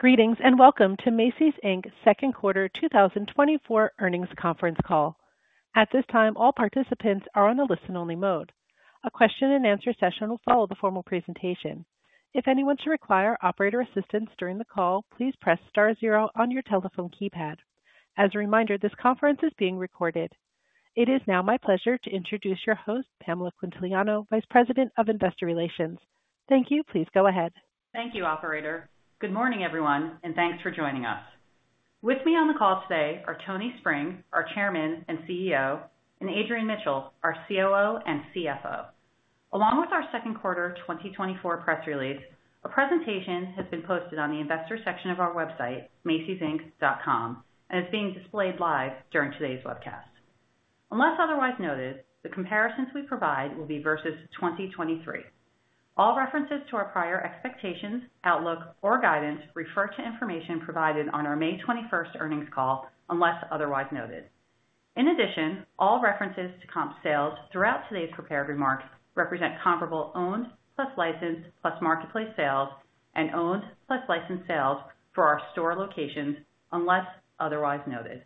Greetings, and welcome to Macy's Inc's second quarter 2024 earnings conference call. At this time, all participants are on a listen-only mode. A question and answer session will follow the formal presentation. If anyone should require operator assistance during the call, please press star zero on your telephone keypad. As a reminder, this conference is being recorded. It is now my pleasure to introduce your host, Pamela Quintiliano, Vice President of Investor Relations. Thank you. Please go ahead. Thank you, operator. Good morning, everyone, and thanks for joining us. With me on the call today are Tony Spring, our Chairman and CEO, and Adrian Mitchell, our COO and CFO. Along with our second quarter 2024 press release, a presentation has been posted on the investor section of our website, macysinc.com, and is being displayed live during today's webcast. Unless otherwise noted, the comparisons we provide will be versus 2023. All references to our prior expectations, outlook, or guidance refer to information provided on our May 21st earnings call, unless otherwise noted. In addition, all references to comp sales throughout today's prepared remarks represent comparable owned plus licensed, plus marketplace sales and owned plus licensed sales for our store locations, unless otherwise noted.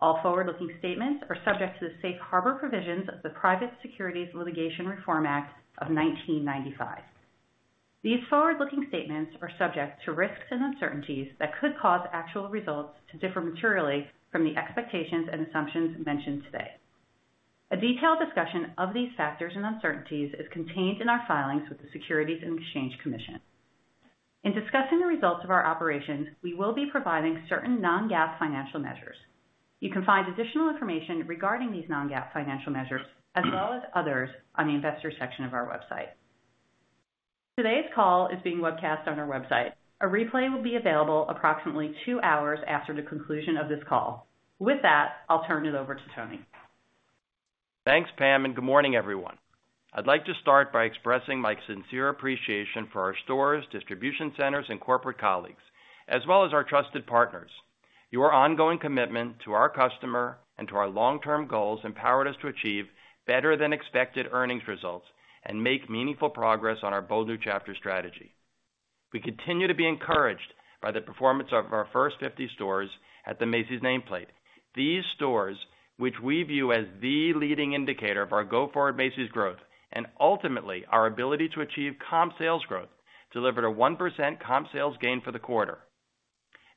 All forward-looking statements are subject to the safe harbor provisions of the Private Securities Litigation Reform Act of 1995. These forward-looking statements are subject to risks and uncertainties that could cause actual results to differ materially from the expectations and assumptions mentioned today. A detailed discussion of these factors and uncertainties is contained in our filings with the Securities and Exchange Commission. In discussing the results of our operations, we will be providing certain non-GAAP financial measures. You can find additional information regarding these non-GAAP financial measures, as well as others, on the Investors section of our website. Today's call is being webcast on our website. A replay will be available approximately two hours after the conclusion of this call. With that, I'll turn it over to Tony. Thanks, Pam, and good morning, everyone. I'd like to start by expressing my sincere appreciation for our stores, distribution centers, and corporate colleagues, as well as our trusted partners. Your ongoing commitment to our customer and to our long-term goals empowered us to achieve better-than-expected earnings results and make meaningful progress on our Bold New Chapter strategy. We continue to be encouraged by the performance of our First 50 stores at the Macy's nameplate. These stores, which we view as the leading indicator of our go-forward Macy's growth and ultimately our ability to achieve comp sales growth, delivered a 1% comp sales gain for the quarter.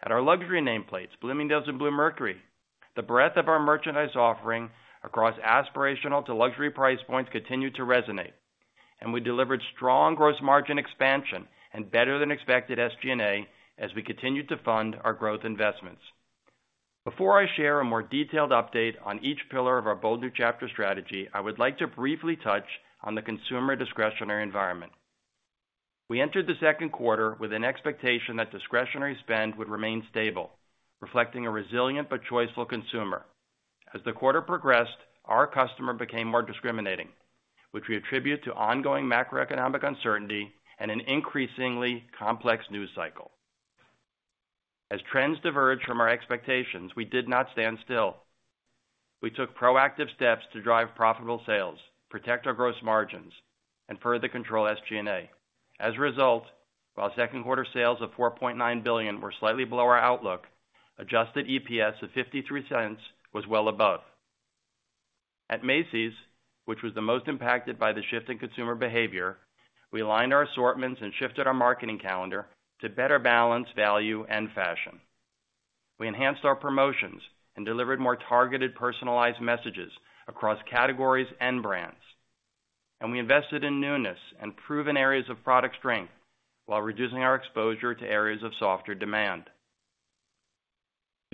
At our luxury nameplates, Bloomingdale's and Bluemercury, the breadth of our merchandise offering across aspirational to luxury price points continued to resonate, and we delivered strong gross margin expansion and better-than-expected SG&A as we continued to fund our growth investments. Before I share a more detailed update on each pillar of our Bold New Chapter strategy, I would like to briefly touch on the consumer discretionary environment. We entered the second quarter with an expectation that discretionary spend would remain stable, reflecting a resilient but choiceful consumer. As the quarter progressed, our customer became more discriminating, which we attribute to ongoing macroeconomic uncertainty and an increasingly complex news cycle. As trends diverged from our expectations, we did not stand still. We took proactive steps to drive profitable sales, protect our gross margins, and further control SG&A. As a result, while second quarter sales of $4.9 billion were slightly below our outlook, Adjusted EPS of $0.53 was well above. At Macy's, which was the most impacted by the shift in consumer behavior, we aligned our assortments and shifted our marketing calendar to better balance value and fashion. We enhanced our promotions and delivered more targeted, personalized messages across categories and brands. And we invested in newness and proven areas of product strength while reducing our exposure to areas of softer demand.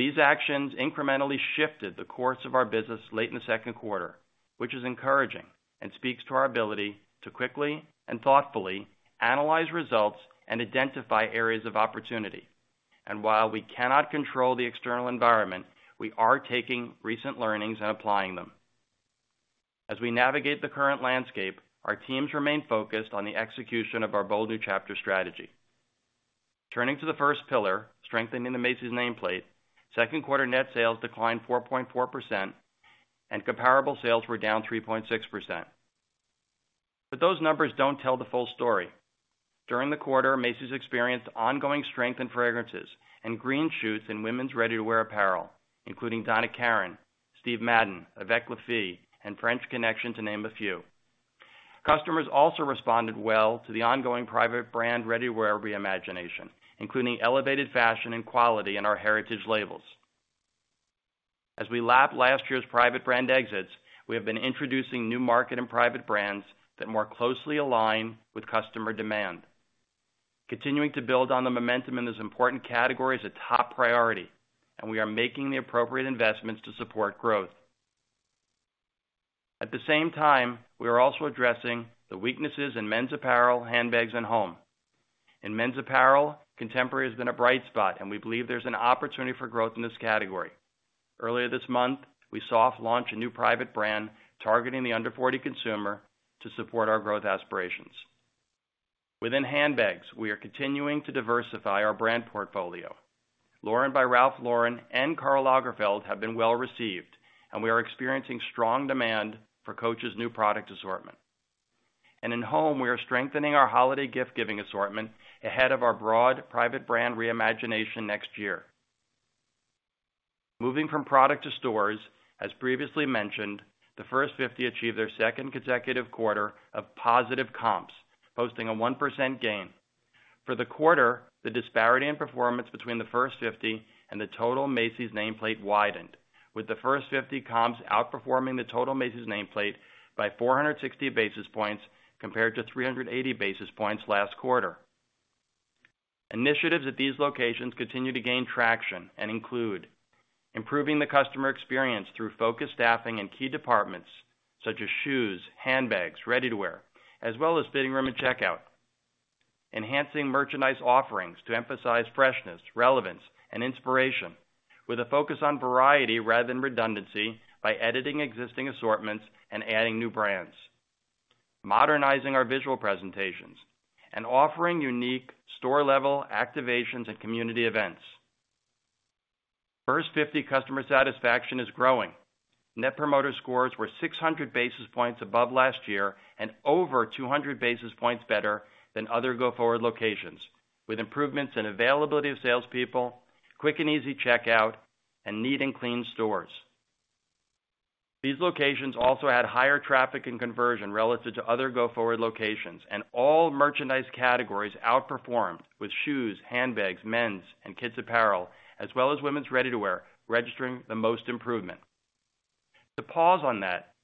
These actions incrementally shifted the course of our business late in the second quarter, which is encouraging and speaks to our ability to quickly and thoughtfully analyze results and identify areas of opportunity. And while we cannot control the external environment, we are taking recent learnings and applying them. As we navigate the current landscape, our teams remain focused on the execution of our Bold New Chapter strategy. Turning to the first pillar, strengthening the Macy's nameplate, second quarter net sales declined 4.4% and comparable sales were down 3.6%. But those numbers don't tell the full story. During the quarter, Macy's experienced ongoing strength in fragrances and green shoots in women's ready-to-wear apparel, including Donna Karan, Steve Madden, Avec Les Filles, and French Connection, to name a few. Customers also responded well to the ongoing private brand ready-to-wear reimagination, including elevated fashion and quality in our heritage labels. As we lap last year's private brand exits, we have been introducing new market and private brands that more closely align with customer demand. Continuing to build on the momentum in this important category is a top priority, and we are making the appropriate investments to support growth. At the same time, we are also addressing the weaknesses in men's apparel, handbags, and home. In men's apparel, contemporary has been a bright spot, and we believe there's an opportunity for growth in this category. Earlier this month, we soft launched a new private brand targeting the under 40 consumer to support our growth aspirations. Within handbags, we are continuing to diversify our brand portfolio. Lauren by Ralph Lauren and Karl Lagerfeld have been well received, and we are experiencing strong demand for Coach's new product assortment, and in home, we are strengthening our holiday gift-giving assortment ahead of our broad private brand reimagination next year. Moving from product to stores, as previously mentioned, the First 50 achieved their second consecutive quarter of positive comps, posting a 1% gain. For the quarter, the disparity in performance between the First 50 and the total Macy's nameplate widened, with the First 50 comps outperforming the total Macy's nameplate by 460 basis points, compared to 380 basis points last quarter. Initiatives at these locations continue to gain traction and include: improving the customer experience through focused staffing in key departments, such as shoes, handbags, ready-to-wear, as well as fitting room and checkout. Enhancing merchandise offerings to emphasize freshness, relevance, and inspiration, with a focus on variety rather than redundancy, by editing existing assortments and adding new brands. Modernizing our visual presentations and offering unique store-level activations and community events. First 50 customer satisfaction is growing. Net Promoter Scores were 600 basis points above last year and over 200 basis points better than other go-forward locations, with improvements in availability of salespeople, quick and easy checkout, and neat and clean stores. These locations also had higher traffic and conversion relative to other go-forward locations, and all merchandise categories outperformed, with shoes, handbags, men's and kids' apparel, as well as women's ready-to-wear, registering the most improvement. To pause on that,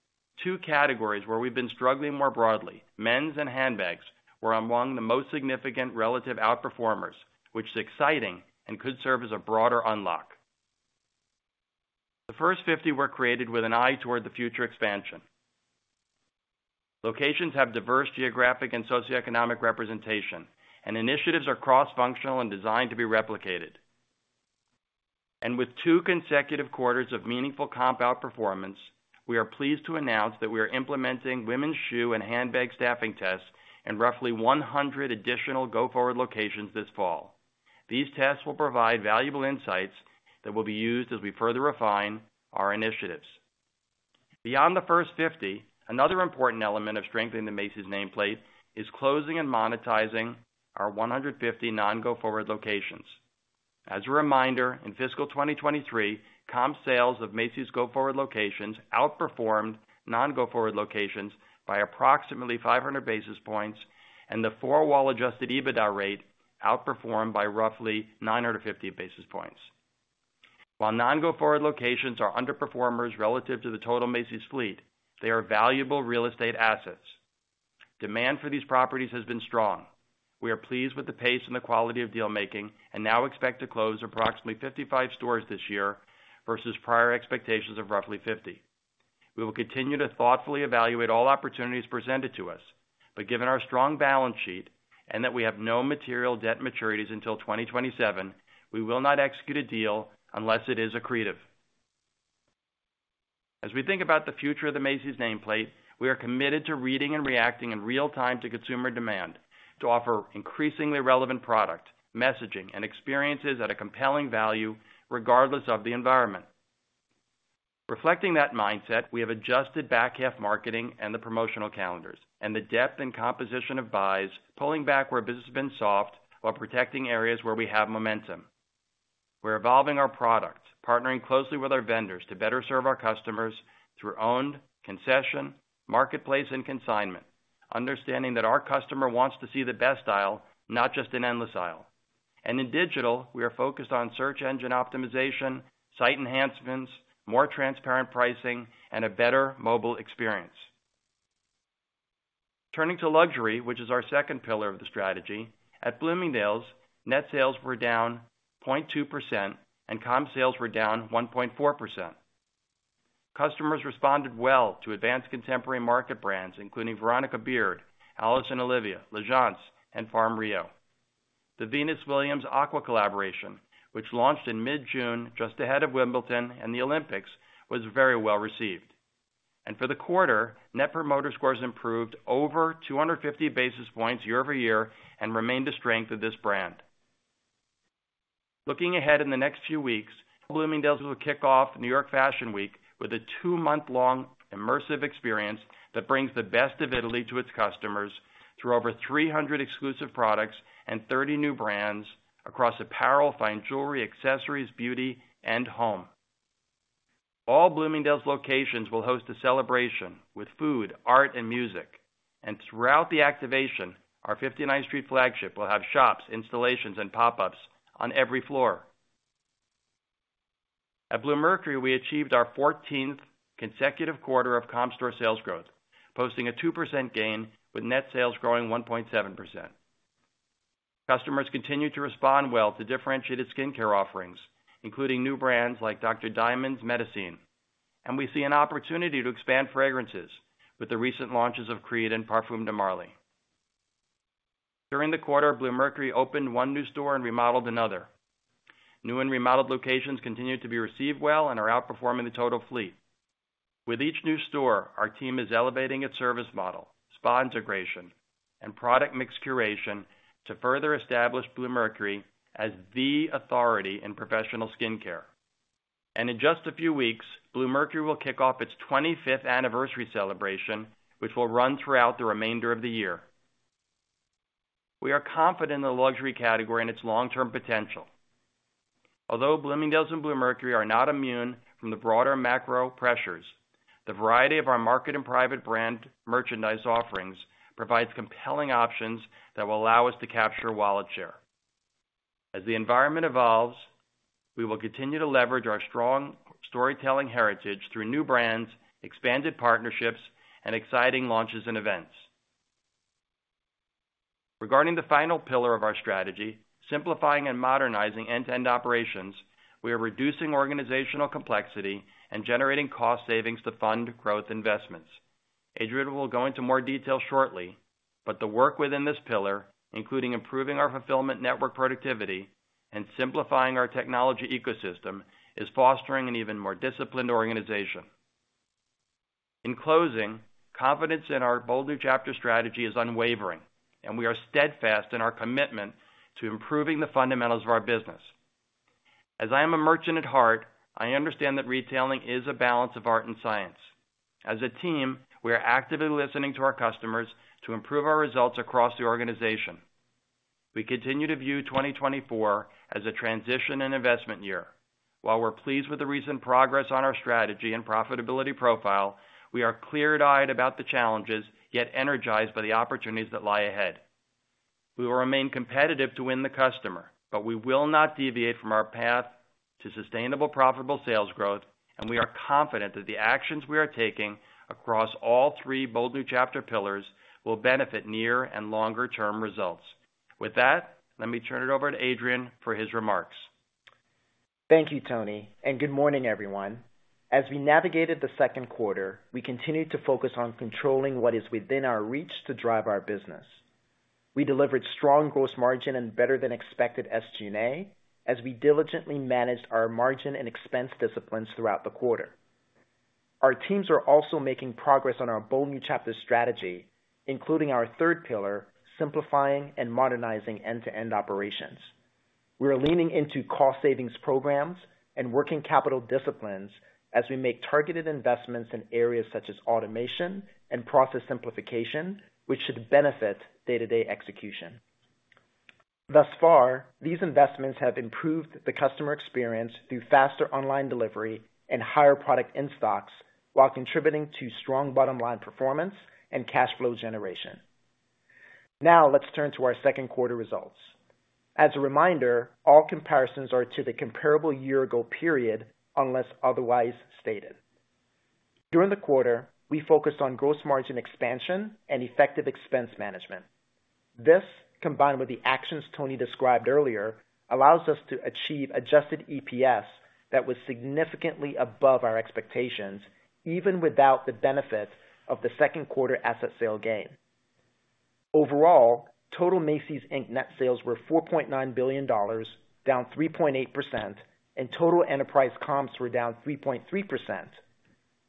two categories where we've been struggling more broadly, men's and handbags, were among the most significant relative outperformers, which is exciting and could serve as a broader unlock. The First 50 were created with an eye toward the future expansion. Locations have diverse geographic and socioeconomic representation, and initiatives are cross-functional and designed to be replicated. And with two consecutive quarters of meaningful comp outperformance, we are pleased to announce that we are implementing women's shoe and handbag staffing tests in roughly 100 additional go-forward locations this fall. These tests will provide valuable insights that will be used as we further refine our initiatives. Beyond the First 50, another important element of strengthening the Macy's nameplate is closing and monetizing our 150 non-go-forward locations. As a reminder, in fiscal 2023, comp sales of Macy's go-forward locations outperformed non-go-forward locations by approximately 500 basis points, and the four-wall Adjusted EBITDA rate outperformed by roughly 950 basis points. While non-go-forward locations are underperformers relative to the total Macy's fleet, they are valuable real estate assets. Demand for these properties has been strong. We are pleased with the pace and the quality of deal making, and now expect to close approximately 55 stores this year versus prior expectations of roughly 50. We will continue to thoughtfully evaluate all opportunities presented to us, but given our strong balance sheet and that we have no material debt maturities until 2027, we will not execute a deal unless it is accretive. As we think about the future of the Macy's nameplate, we are committed to reading and reacting in real time to consumer demand to offer increasingly relevant product, messaging, and experiences at a compelling value, regardless of the environment. Reflecting that mindset, we have adjusted back half marketing and the promotional calendars and the depth and composition of buys, pulling back where business has been soft, while protecting areas where we have momentum. We're evolving our product, partnering closely with our vendors to better serve our customers through owned, concession, marketplace, and consignment, understanding that our customer wants to see the best aisle, not just an endless aisle, and in digital, we are focused on search engine optimization, site enhancements, more transparent pricing, and a better mobile experience. Turning to luxury, which is our second pillar of the strategy, at Bloomingdale's, net sales were down 0.2%, and comp sales were down 1.4%. Customers responded well to advanced contemporary market brands, including Veronica Beard, Alice + Olivia, L'Agence, and FARM Rio. The Venus Williams Aqua collaboration, which launched in mid-June, just ahead of Wimbledon and the Olympics, was very well received. For the quarter, Net Promoter Scores improved over 250 basis points year-over-year and remained a strength of this brand. Looking ahead in the next few weeks, Bloomingdale's will kick off New York Fashion Week with a two-month-long immersive experience that brings the best of Italy to its customers through over 300 exclusive products and 30 new brands across apparel, fine jewelry, accessories, beauty, and home. All Bloomingdale's locations will host a celebration with food, art, and music, and throughout the activation, our 59th Street flagship will have shops, installations, and pop-ups on every floor. At Bluemercury, we achieved our 14th consecutive quarter of comp store sales growth, posting a 2% gain, with net sales growing 1.7%. Customers continued to respond well to differentiated skincare offerings, including new brands like Dr. Diamond's Metaciné, and we see an opportunity to expand fragrances with the recent launches of Creed and Parfums de Marly. During the quarter, Bluemercury opened one new store and remodeled another. New and remodeled locations continue to be received well and are outperforming the total fleet. With each new store, our team is elevating its service model, spa integration, and product mix curation to further establish Bluemercury as the authority in professional skincare, and in just a few weeks, Bluemercury will kick off its 25th anniversary celebration, which will run throughout the remainder of the year. We are confident in the luxury category and its long-term potential. Although Bloomingdale's and Bluemercury are not immune from the broader macro pressures, the variety of our market and private brand merchandise offerings provides compelling options that will allow us to capture wallet share. As the environment evolves, we will continue to leverage our strong storytelling heritage through new brands, expanded partnerships, and exciting launches and events. Regarding the final pillar of our strategy, simplifying and modernizing end-to-end operations, we are reducing organizational complexity and generating cost savings to fund growth investments. Adrian will go into more detail shortly, but the work within this pillar, including improving our fulfillment network productivity and simplifying our technology ecosystem, is fostering an even more disciplined organization. In closing, confidence in our Bold New Chapter strategy is unwavering, and we are steadfast in our commitment to improving the fundamentals of our business. As I am a merchant at heart, I understand that retailing is a balance of art and science. As a team, we are actively listening to our customers to improve our results across the organization. We continue to view 2024 as a transition and investment year. While we're pleased with the recent progress on our strategy and profitability profile, we are clear-eyed about the challenges, yet energized by the opportunities that lie ahead. We will remain competitive to win the customer, but we will not deviate from our path to sustainable, profitable sales growth, and we are confident that the actions we are taking across all three Bold New Chapter pillars will benefit near and longer-term results. With that, let me turn it over to Adrian for his remarks. Thank you, Tony, and good morning, everyone. As we navigated the second quarter, we continued to focus on controlling what is within our reach to drive our business. We delivered strong gross margin and better-than-expected SG&A as we diligently managed our margin and expense disciplines throughout the quarter. Our teams are also making progress on our Bold New Chapter strategy, including our third pillar, simplifying and modernizing end-to-end operations. We are leaning into cost savings programs and working capital disciplines as we make targeted investments in areas such as automation and process simplification, which should benefit day-to-day execution. Thus far, these investments have improved the customer experience through faster online delivery and higher product in-stocks, while contributing to strong bottom line performance and cash flow generation. Now, let's turn to our second quarter results. As a reminder, all comparisons are to the comparable year ago period, unless otherwise stated. During the quarter, we focused on gross margin expansion and effective expense management. This, combined with the actions Tony described earlier, allows us to achieve Adjusted EPS that was significantly above our expectations, even without the benefit of the second quarter asset sale gain. Overall, total Macy's Inc net sales were $4.9 billion, down 3.8%, and total enterprise comps were down 3.3%.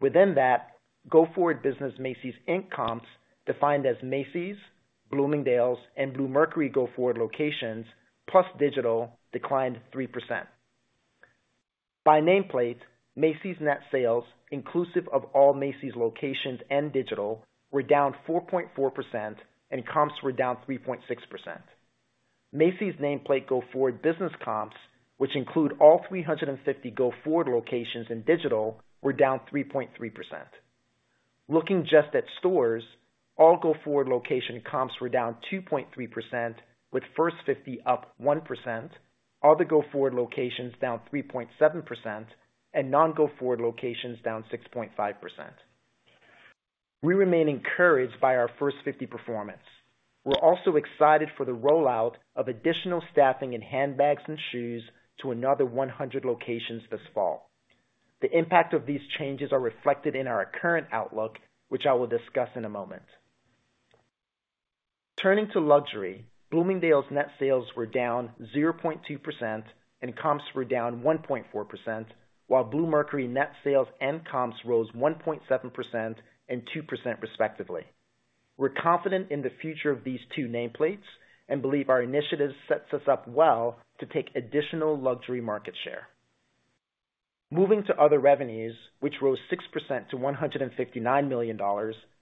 Within that, go-forward business, Macy's Inc comps, defined as Macy's, Bloomingdale's, and Bluemercury go-forward locations, plus digital, declined 3%. By nameplate, Macy's net sales, inclusive of all Macy's locations and digital, were down 4.4%, and comps were down 3.6%. Macy's nameplate go-forward business comps, which include all 350 go-forward locations in digital, were down 3.3%. Looking just at stores, all go-forward location comps were down 2.3%, with First 50 up 1%, all the go-forward locations down 3.7%, and non-go-forward locations down 6.5%. We remain encouraged by our First 50 performance. We're also excited for the rollout of additional staffing in handbags and shoes to another 100 locations this fall. The impact of these changes are reflected in our current outlook, which I will discuss in a moment. Turning to luxury, Bloomingdale's net sales were down 0.2%, and comps were down 1.4%, while Bluemercury net sales and comps rose 1.7% and 2%, respectively. We're confident in the future of these two nameplates and believe our initiative sets us up well to take additional luxury market share. Moving to other revenues, which rose 6% to $159 million,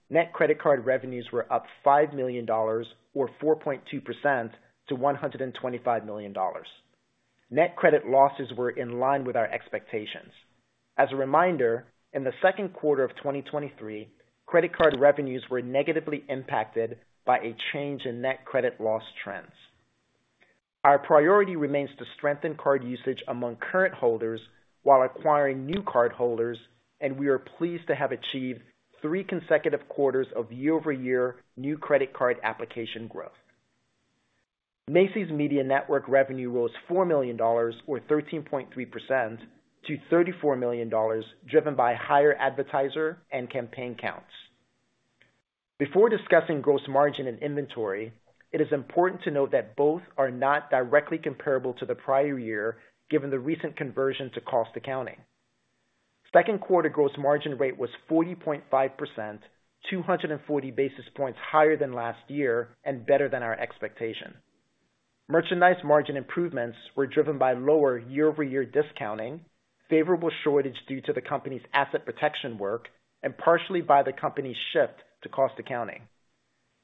net credit card revenues were up $5 million, or 4.2%, to $125 million. Net credit losses were in line with our expectations. As a reminder, in the second quarter of 2023, credit card revenues were negatively impacted by a change in net credit loss trends. Our priority remains to strengthen card usage among current holders while acquiring new cardholders, and we are pleased to have achieved three consecutive quarters of year-over-year new credit card application growth. Macy's Media Network revenue rose $4 million, or 13.3%, to $34 million, driven by higher advertiser and campaign counts. Before discussing gross margin and inventory, it is important to note that both are not directly comparable to the prior year, given the recent conversion to cost accounting. Second quarter gross margin rate was 40.5%, 240 basis points higher than last year and better than our expectation. Merchandise margin improvements were driven by lower year-over-year discounting, favorable shortage due to the company's asset protection work, and partially by the company's shift to cost accounting.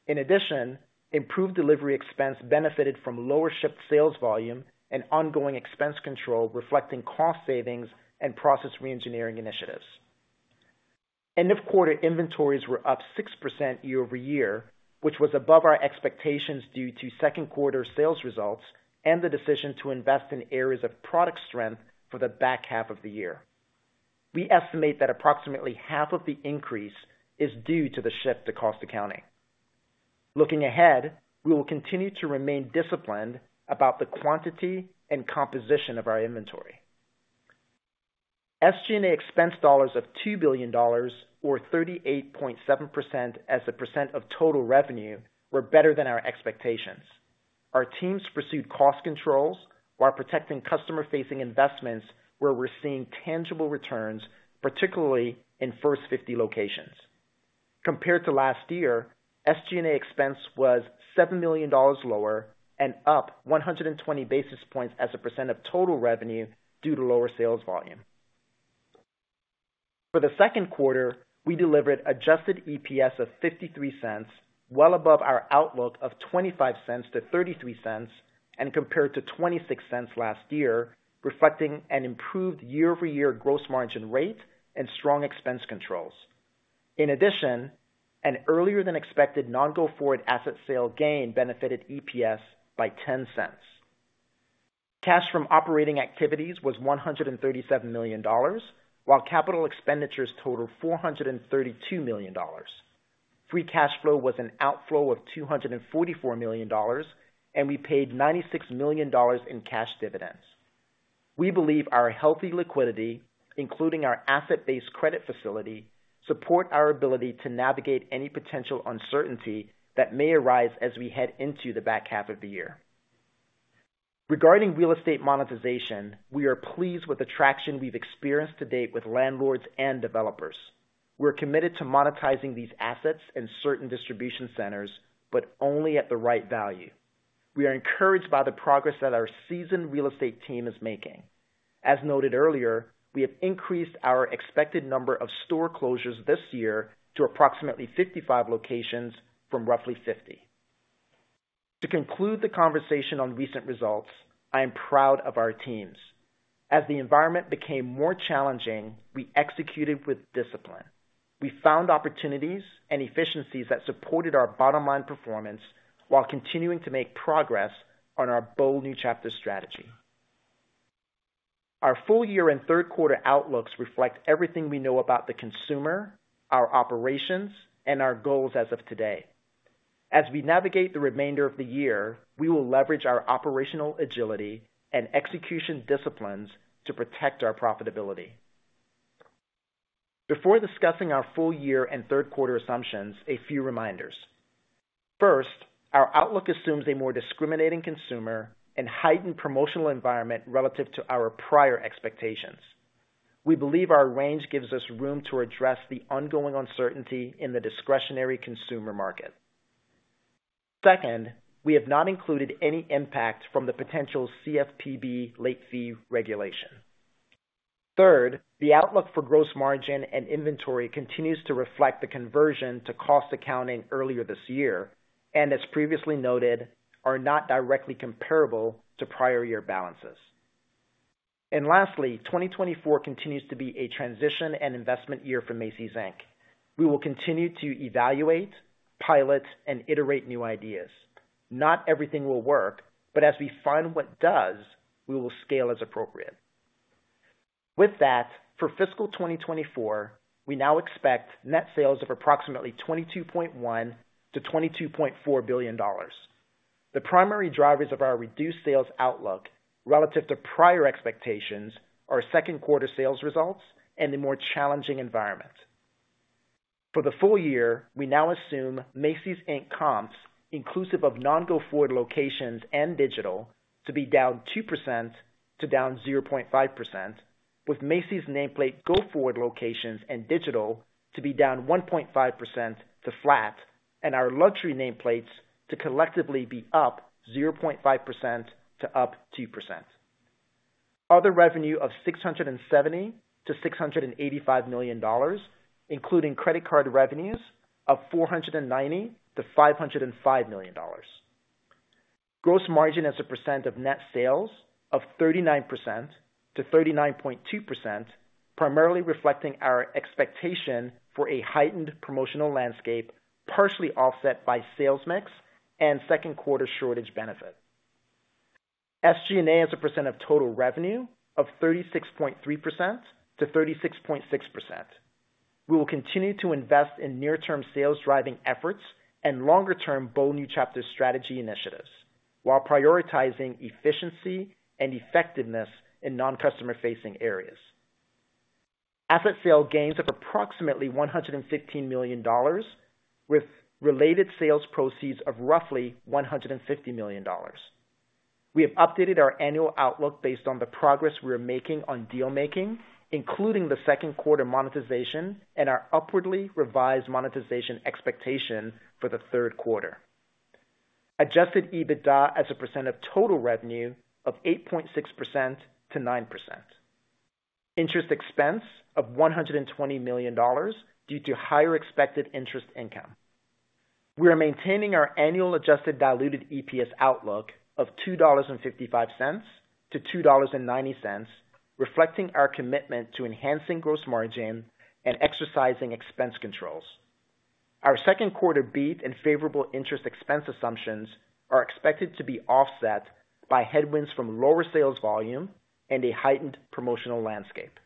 In addition, improved delivery expense benefited from lower shipped sales volume and ongoing expense control, reflecting cost savings and process reengineering initiatives. End of quarter inventories were up 6% year-over-year, which was above our expectations due to second quarter sales results and the decision to invest in areas of product strength for the back half of the year. We estimate that approximately half of the increase is due to the shift to cost accounting. Looking ahead, we will continue to remain disciplined about the quantity and composition of our inventory. SG&A expense dollars of $2 billion or 38.7% as a percent of total revenue, were better than our expectations. Our teams pursued cost controls while protecting customer-facing investments, where we're seeing tangible returns, particularly in First 50 locations. Compared to last year, SG&A expense was $7 million lower and up 120 basis points as a percent of total revenue due to lower sales volume. For the second quarter, we delivered Adjusted EPS of $0.53, well above our outlook of $0.25 to $0.33, and compared to $0.26 last year, reflecting an improved year-over-year gross margin rate and strong expense controls. In addition, an earlier than expected non-go-forward asset sale gain benefited EPS by $0.10. Cash from operating activities was $137 million, while capital expenditures totaled $432 million. Free cash flow was an outflow of $244 million, and we paid $96 million in cash dividends. We believe our healthy liquidity, including our asset-based credit facility, support our ability to navigate any potential uncertainty that may arise as we head into the back half of the year. Regarding real estate monetization, we are pleased with the traction we've experienced to date with landlords and developers. We're committed to monetizing these assets in certain distribution centers, but only at the right value. We are encouraged by the progress that our seasoned real estate team is making. As noted earlier, we have increased our expected number of store closures this year to approximately 55 locations from roughly 50. To conclude the conversation on recent results, I am proud of our teams. As the environment became more challenging, we executed with discipline. We found opportunities and efficiencies that supported our bottom line performance, while continuing to make progress on our Bold New Chapter strategy. Our full year and third quarter outlooks reflect everything we know about the consumer, our operations, and our goals as of today. As we navigate the remainder of the year, we will leverage our operational agility and execution disciplines to protect our profitability. Before discussing our full year and third quarter assumptions, a few reminders. First, our outlook assumes a more discriminating consumer and heightened promotional environment relative to our prior expectations. We believe our range gives us room to address the ongoing uncertainty in the discretionary consumer market. Second, we have not included any impact from the potential CFPB late fee regulation. Third, the outlook for gross margin and inventory continues to reflect the conversion to cost accounting earlier this year, and as previously noted, are not directly comparable to prior year balances. And lastly, 2024 continues to be a transition and investment year for Macy's Inc. We will continue to evaluate, pilot, and iterate new ideas. Not everything will work, but as we find what does, we will scale as appropriate. With that, for fiscal 2024, we now expect net sales of approximately $22.1 billion-$22.4 billion. The primary drivers of our reduced sales outlook relative to prior expectations are second quarter sales results and a more challenging environment. For the full year, we now assume Macy's Inc comps, inclusive of non-go-forward locations and digital, to be down 2% to down 0.5%, with Macy's nameplate go-forward locations and digital to be down 1.5% to flat, and our luxury nameplates to collectively be up 0.5% to up 2%. Other revenue of $670 million-$685 million, including credit card revenues of $490 million-$505 million. Gross margin as a percent of net sales of 39%-39.2%, primarily reflecting our expectation for a heightened promotional landscape, partially offset by sales mix and second quarter shortage benefit. SG&A as a percent of total revenue of 36.3%-36.6%. We will continue to invest in near-term sales, driving efforts and longer-term Bold New Chapter strategy initiatives, while prioritizing efficiency and effectiveness in non-customer facing areas. Asset sale gains of approximately $115 million, with related sales proceeds of roughly $150 million. We have updated our annual outlook based on the progress we are making on deal-making, including the second quarter monetization and our upwardly revised monetization expectation for the third quarter. Adjusted EBITDA as a percent of total revenue of 8.6% to 9%. Interest expense of $120 million due to higher expected interest income. We are maintaining our annual Adjusted diluted EPS outlook of $2.55-$2.90, reflecting our commitment to enhancing gross margin and exercising expense controls. Our second quarter beat and favorable interest expense assumptions are expected to be offset by headwinds from lower sales volume and a heightened promotional landscape.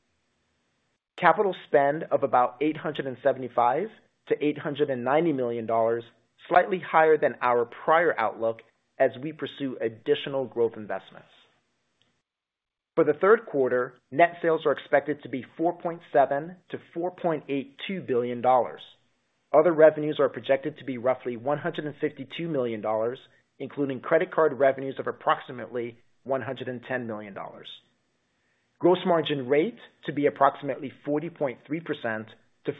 Capital spend of about $875 million-$890 million, slightly higher than our prior outlook as we pursue additional growth investments. For the third quarter, net sales are expected to be $4.7 billion-$4.82 billion. Other revenues are projected to be roughly $152 million, including credit card revenues of approximately $110 million. Gross margin rate to be approximately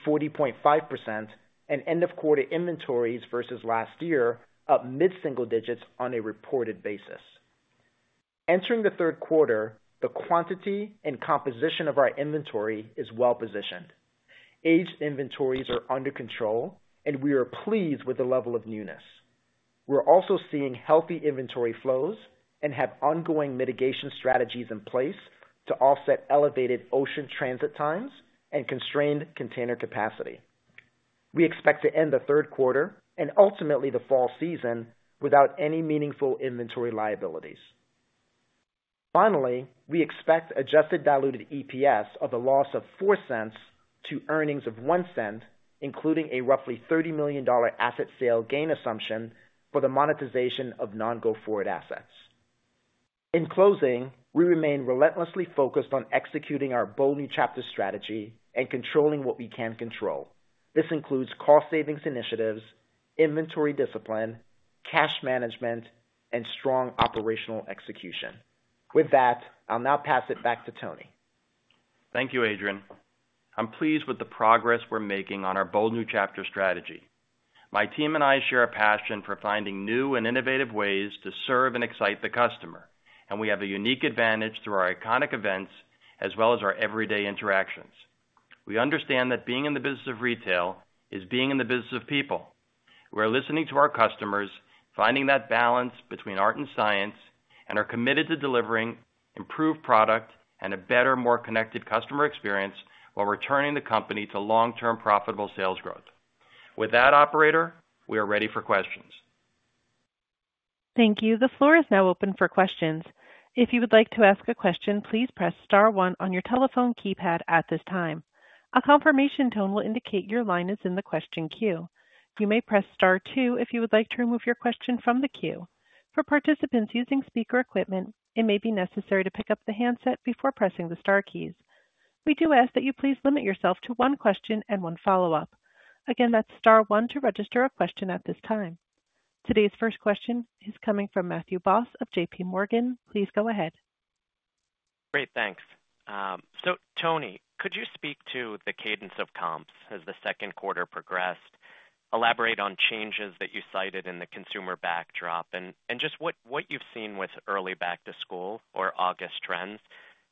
40.3%-40.5%, and end of quarter inventories versus last year, up mid-single digits on a reported basis. Entering the third quarter, the quantity and composition of our inventory is well positioned. Aged inventories are under control, and we are pleased with the level of newness. We're also seeing healthy inventory flows and have ongoing mitigation strategies in place to offset elevated ocean transit times and constrained container capacity. We expect to end the third quarter and ultimately the fall season, without any meaningful inventory liabilities. Finally, we expect Adjusted diluted EPS of a loss of $0.04 to earnings of $0.01, including a roughly $30 million asset sale gain assumption for the monetization of non-go-forward assets. In closing, we remain relentlessly focused on executing our Bold New Chapter strategy and controlling what we can control. This includes cost savings initiatives, inventory discipline, cash management, and strong operational execution. With that, I'll now pass it back to Tony. Thank you, Adrian. I'm pleased with the progress we're making on our Bold New Chapter strategy. My team and I share a passion for finding new and innovative ways to serve and excite the customer, and we have a unique advantage through our iconic events as well as our everyday interactions. We understand that being in the business of retail is being in the business of people. We're listening to our customers, finding that balance between art and science, and are committed to delivering improved product and a better, more connected customer experience, while returning the company to long-term profitable sales growth. With that, operator, we are ready for questions. Thank you. The floor is now open for questions. If you would like to ask a question, please press star one on your telephone keypad at this time. A confirmation tone will indicate your line is in the question queue. You may press star two if you would like to remove your question from the queue. For participants using speaker equipment, it may be necessary to pick up the handset before pressing the star keys. We do ask that you please limit yourself to one question and one follow-up. Again, that's star one to register a question at this time. Today's first question is coming from Matthew Boss of JPMorgan. Please go ahead. Great, thanks. So Tony, could you speak to the cadence of comps as the second quarter progressed, elaborate on changes that you cited in the consumer backdrop, and just what you've seen with early back to school or August trends,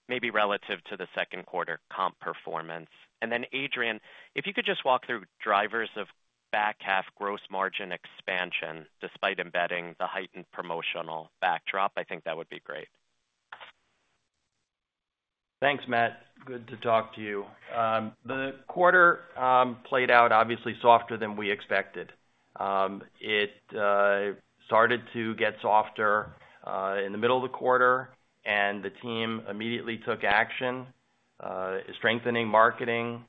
maybe relative to the second quarter comp performance? And then, Adrian, if you could just walk through drivers of back half gross margin expansion, despite embedding the heightened promotional backdrop, I think that would be great. Thanks, Matt. Good to talk to you. The quarter played out obviously softer than we expected. It started to get softer in the middle of the quarter, and the team immediately took action, strengthening marketing,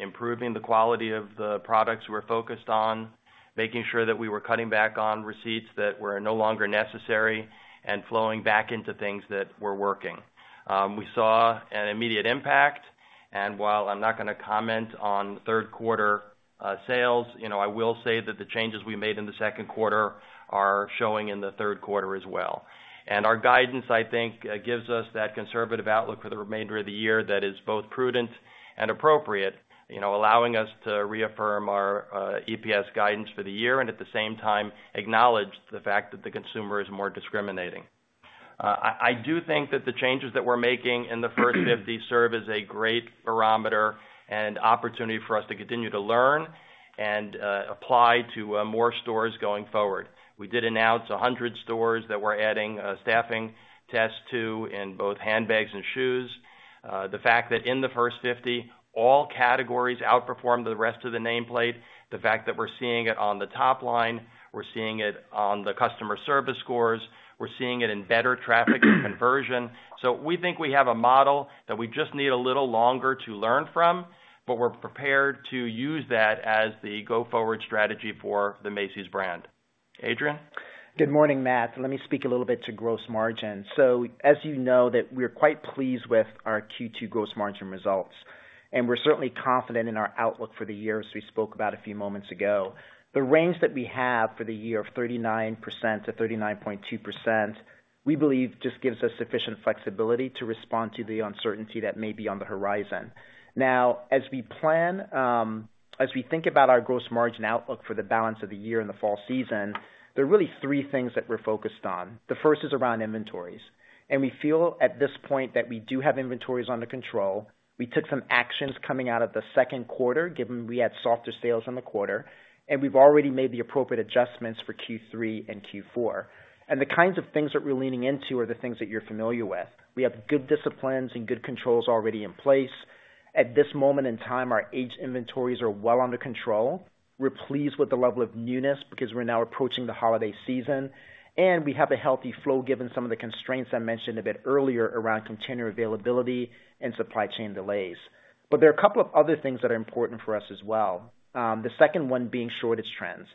improving the quality of the products we're focused on, making sure that we were cutting back on receipts that were no longer necessary and flowing back into things that were working. We saw an immediate impact, and while I'm not gonna comment on third quarter sales, you know, I will say that the changes we made in the second quarter are showing in the third quarter as well. And our guidance, I think, gives us that conservative outlook for the remainder of the year that is both prudent and appropriate, you know, allowing us to reaffirm our EPS guidance for the year and at the same time, acknowledge the fact that the consumer is more discriminating. I do think that the changes that we're making in the First 50 serve as a great barometer and opportunity for us to continue to learn and apply to more stores going forward. We did announce 100 stores that we're adding staffing tests to in both handbags and shoes. The fact that in the First 50, all categories outperformed the rest of the nameplate, the fact that we're seeing it on the top line, we're seeing it on the customer service scores, we're seeing it in better traffic and conversion. So we think we have a model that we just need a little longer to learn from, but we're prepared to use that as the go-forward strategy for the Macy's brand. Adrian? Good morning, Matt. Let me speak a little bit to gross margin. So as you know, that we're quite pleased with our Q2 gross margin results, and we're certainly confident in our outlook for the year, as we spoke about a few moments ago. The range that we have for the year of 39%-39.2%, we believe just gives us sufficient flexibility to respond to the uncertainty that may be on the horizon. Now, as we plan, as we think about our gross margin outlook for the balance of the year in the fall season, there are really three things that we're focused on. The first is around inventories, and we feel at this point that we do have inventories under control. We took some actions coming out of the second quarter, given we had softer sales on the quarter, and we've already made the appropriate adjustments for Q3 and Q4. The kinds of things that we're leaning into are the things that you're familiar with. We have good disciplines and good controls already in place. At this moment in time, our aged inventories are well under control. We're pleased with the level of newness because we're now approaching the holiday season, and we have a healthy flow, given some of the constraints I mentioned a bit earlier around container availability and supply chain delays. There are a couple of other things that are important for us as well. The second one being shortage trends.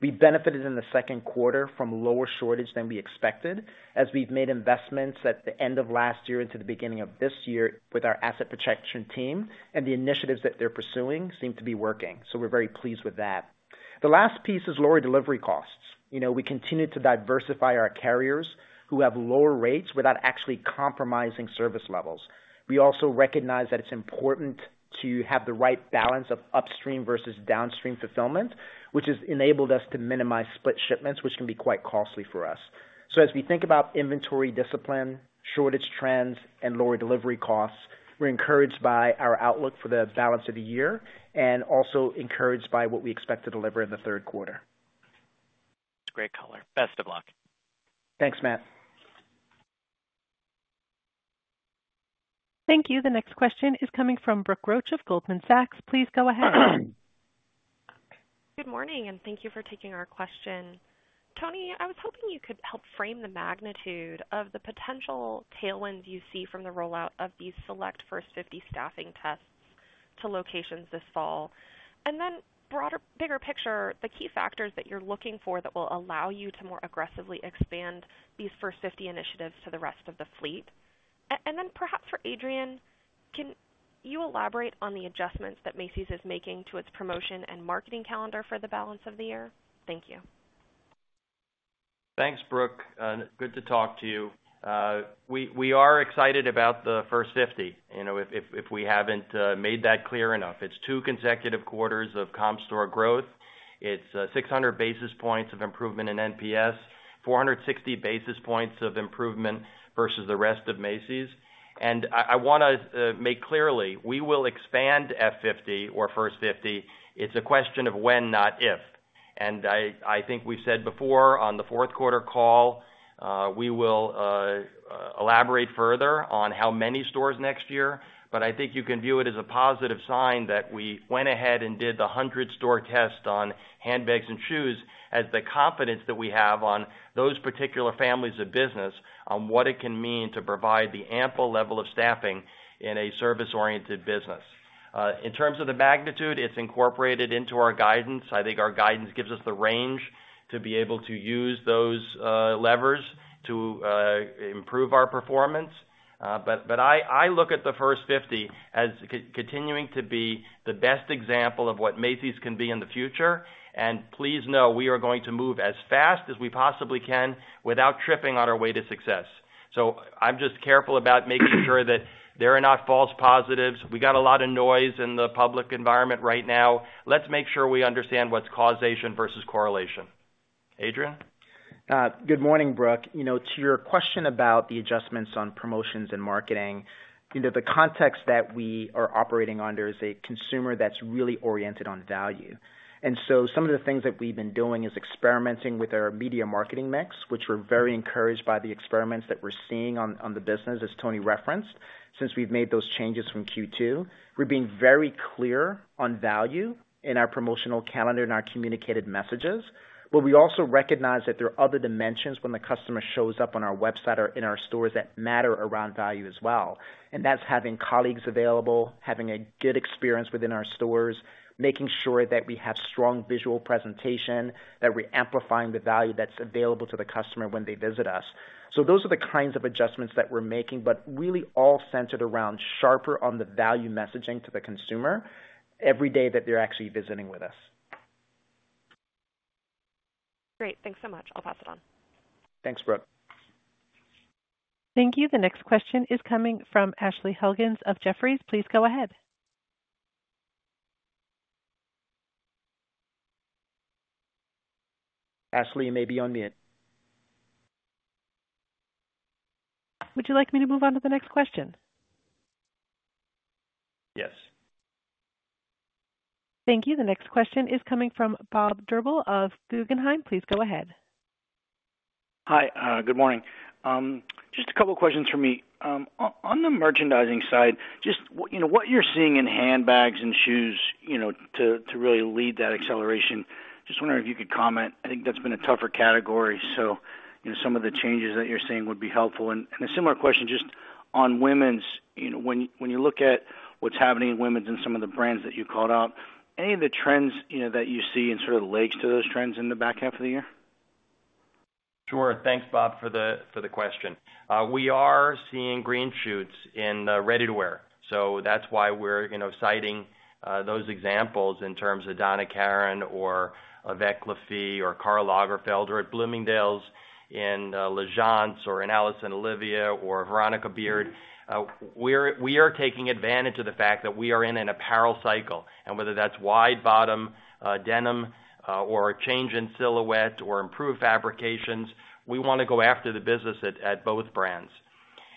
We benefited in the second quarter from lower shortage than we expected, as we've made investments at the end of last year into the beginning of this year with our asset protection team, and the initiatives that they're pursuing seem to be working. So we're very pleased with that. The last piece is lower delivery costs. You know, we continue to diversify our carriers, who have lower rates without actually compromising service levels. We also recognize that it's important to have the right balance of upstream versus downstream fulfillment, which has enabled us to minimize split shipments, which can be quite costly for us. So as we think about inventory discipline, shortage trends, and lower delivery costs, we're encouraged by our outlook for the balance of the year and also encouraged by what we expect to deliver in the third quarter. Great color. Best of luck. Thanks, Matt. Thank you. The next question is coming from Brooke Roach of Goldman Sachs. Please go ahead. Good morning, and thank you for taking our question. Tony, I was hoping you could help frame the magnitude of the potential tailwinds you see from the rollout of these select First 50 staffing tests to locations this fall. And then broader, bigger picture, the key factors that you're looking for that will allow you to more aggressively expand these First 50 initiatives to the rest of the fleet. And then perhaps for Adrian, can you elaborate on the adjustments that Macy's is making to its promotion and marketing calendar for the balance of the year? Thank you. Thanks, Brooke. Good to talk to you. We are excited about the First 50, you know, if we haven't made that clear enough. It's two consecutive quarters of comp store growth. It's 600 basis points of improvement in NPS, 460 basis points of improvement versus the rest of Macy's. And I wanna make clearly, we will expand First 50. It's a question of when, not if. And I think we've said before on the fourth quarter call, we will elaborate further on how many stores next year, but I think you can view it as a positive sign that we went ahead and did the 100-store test on handbags and shoes as the confidence that we have on those particular families of business, on what it can mean to provide the ample level of staffing in a service-oriented business. In terms of the magnitude, it's incorporated into our guidance. I think our guidance gives us the range to be able to use those levers to improve our performance. But I look at the First 50 as continuing to be the best example of what Macy's can be in the future, and please know we are going to move as fast as we possibly can without tripping on our way to success. So I'm just careful about making sure that there are not false positives. We got a lot of noise in the public environment right now. Let's make sure we understand what's causation versus correlation. Adrian? Good morning, Brooke. You know, to your question about the adjustments on promotions and marketing, you know, the context that we are operating under is a consumer that's really oriented on value. And so some of the things that we've been doing is experimenting with our media marketing mix, which we're very encouraged by the experiments that we're seeing on the business, as Tony referenced, since we've made those changes from Q2. We're being very clear on value in our promotional calendar and our communicated messages. But we also recognize that there are other dimensions when the customer shows up on our website or in our stores that matter around value as well, and that's having colleagues available, having a good experience within our stores, making sure that we have strong visual presentation, that we're amplifying the value that's available to the customer when they visit us. So those are the kinds of adjustments that we're making, but really all centered around sharper on the value messaging to the consumer every day that they're actually visiting with us. Great. Thanks so much. I'll pass it on. Thanks, Brooke. Thank you. The next question is coming from Ashley Helgans of Jefferies. Please go ahead. Ashley, you may be on mute. Would you like me to move on to the next question? Yes. Thank you. The next question is coming from Bob Drbul of Guggenheim. Please go ahead. Hi, good morning. Just a couple questions for me. On the merchandising side, just you know, what you're seeing in handbags and shoes, you know, to really lead that acceleration, just wondering if you could comment. I think that's been a tougher category, so, you know, some of the changes that you're seeing would be helpful. And a similar question, just on women's, you know, when you look at what's happening in women's and some of the brands that you called out, any of the trends, you know, that you see and sort of legs to those trends in the back half of the year?... Sure. Thanks, Bob, for the question. We are seeing green shoots in ready-to-wear. So that's why we're, you know, citing those examples in terms of Donna Karan or Avec Les Filles or Karl Lagerfeld, or at Bloomingdale's, in L'Agence or in Alice + Olivia or Veronica Beard. We're taking advantage of the fact that we are in an apparel cycle, and whether that's wide-bottom denim or a change in silhouette or improved fabrications, we wanna go after the business at both brands.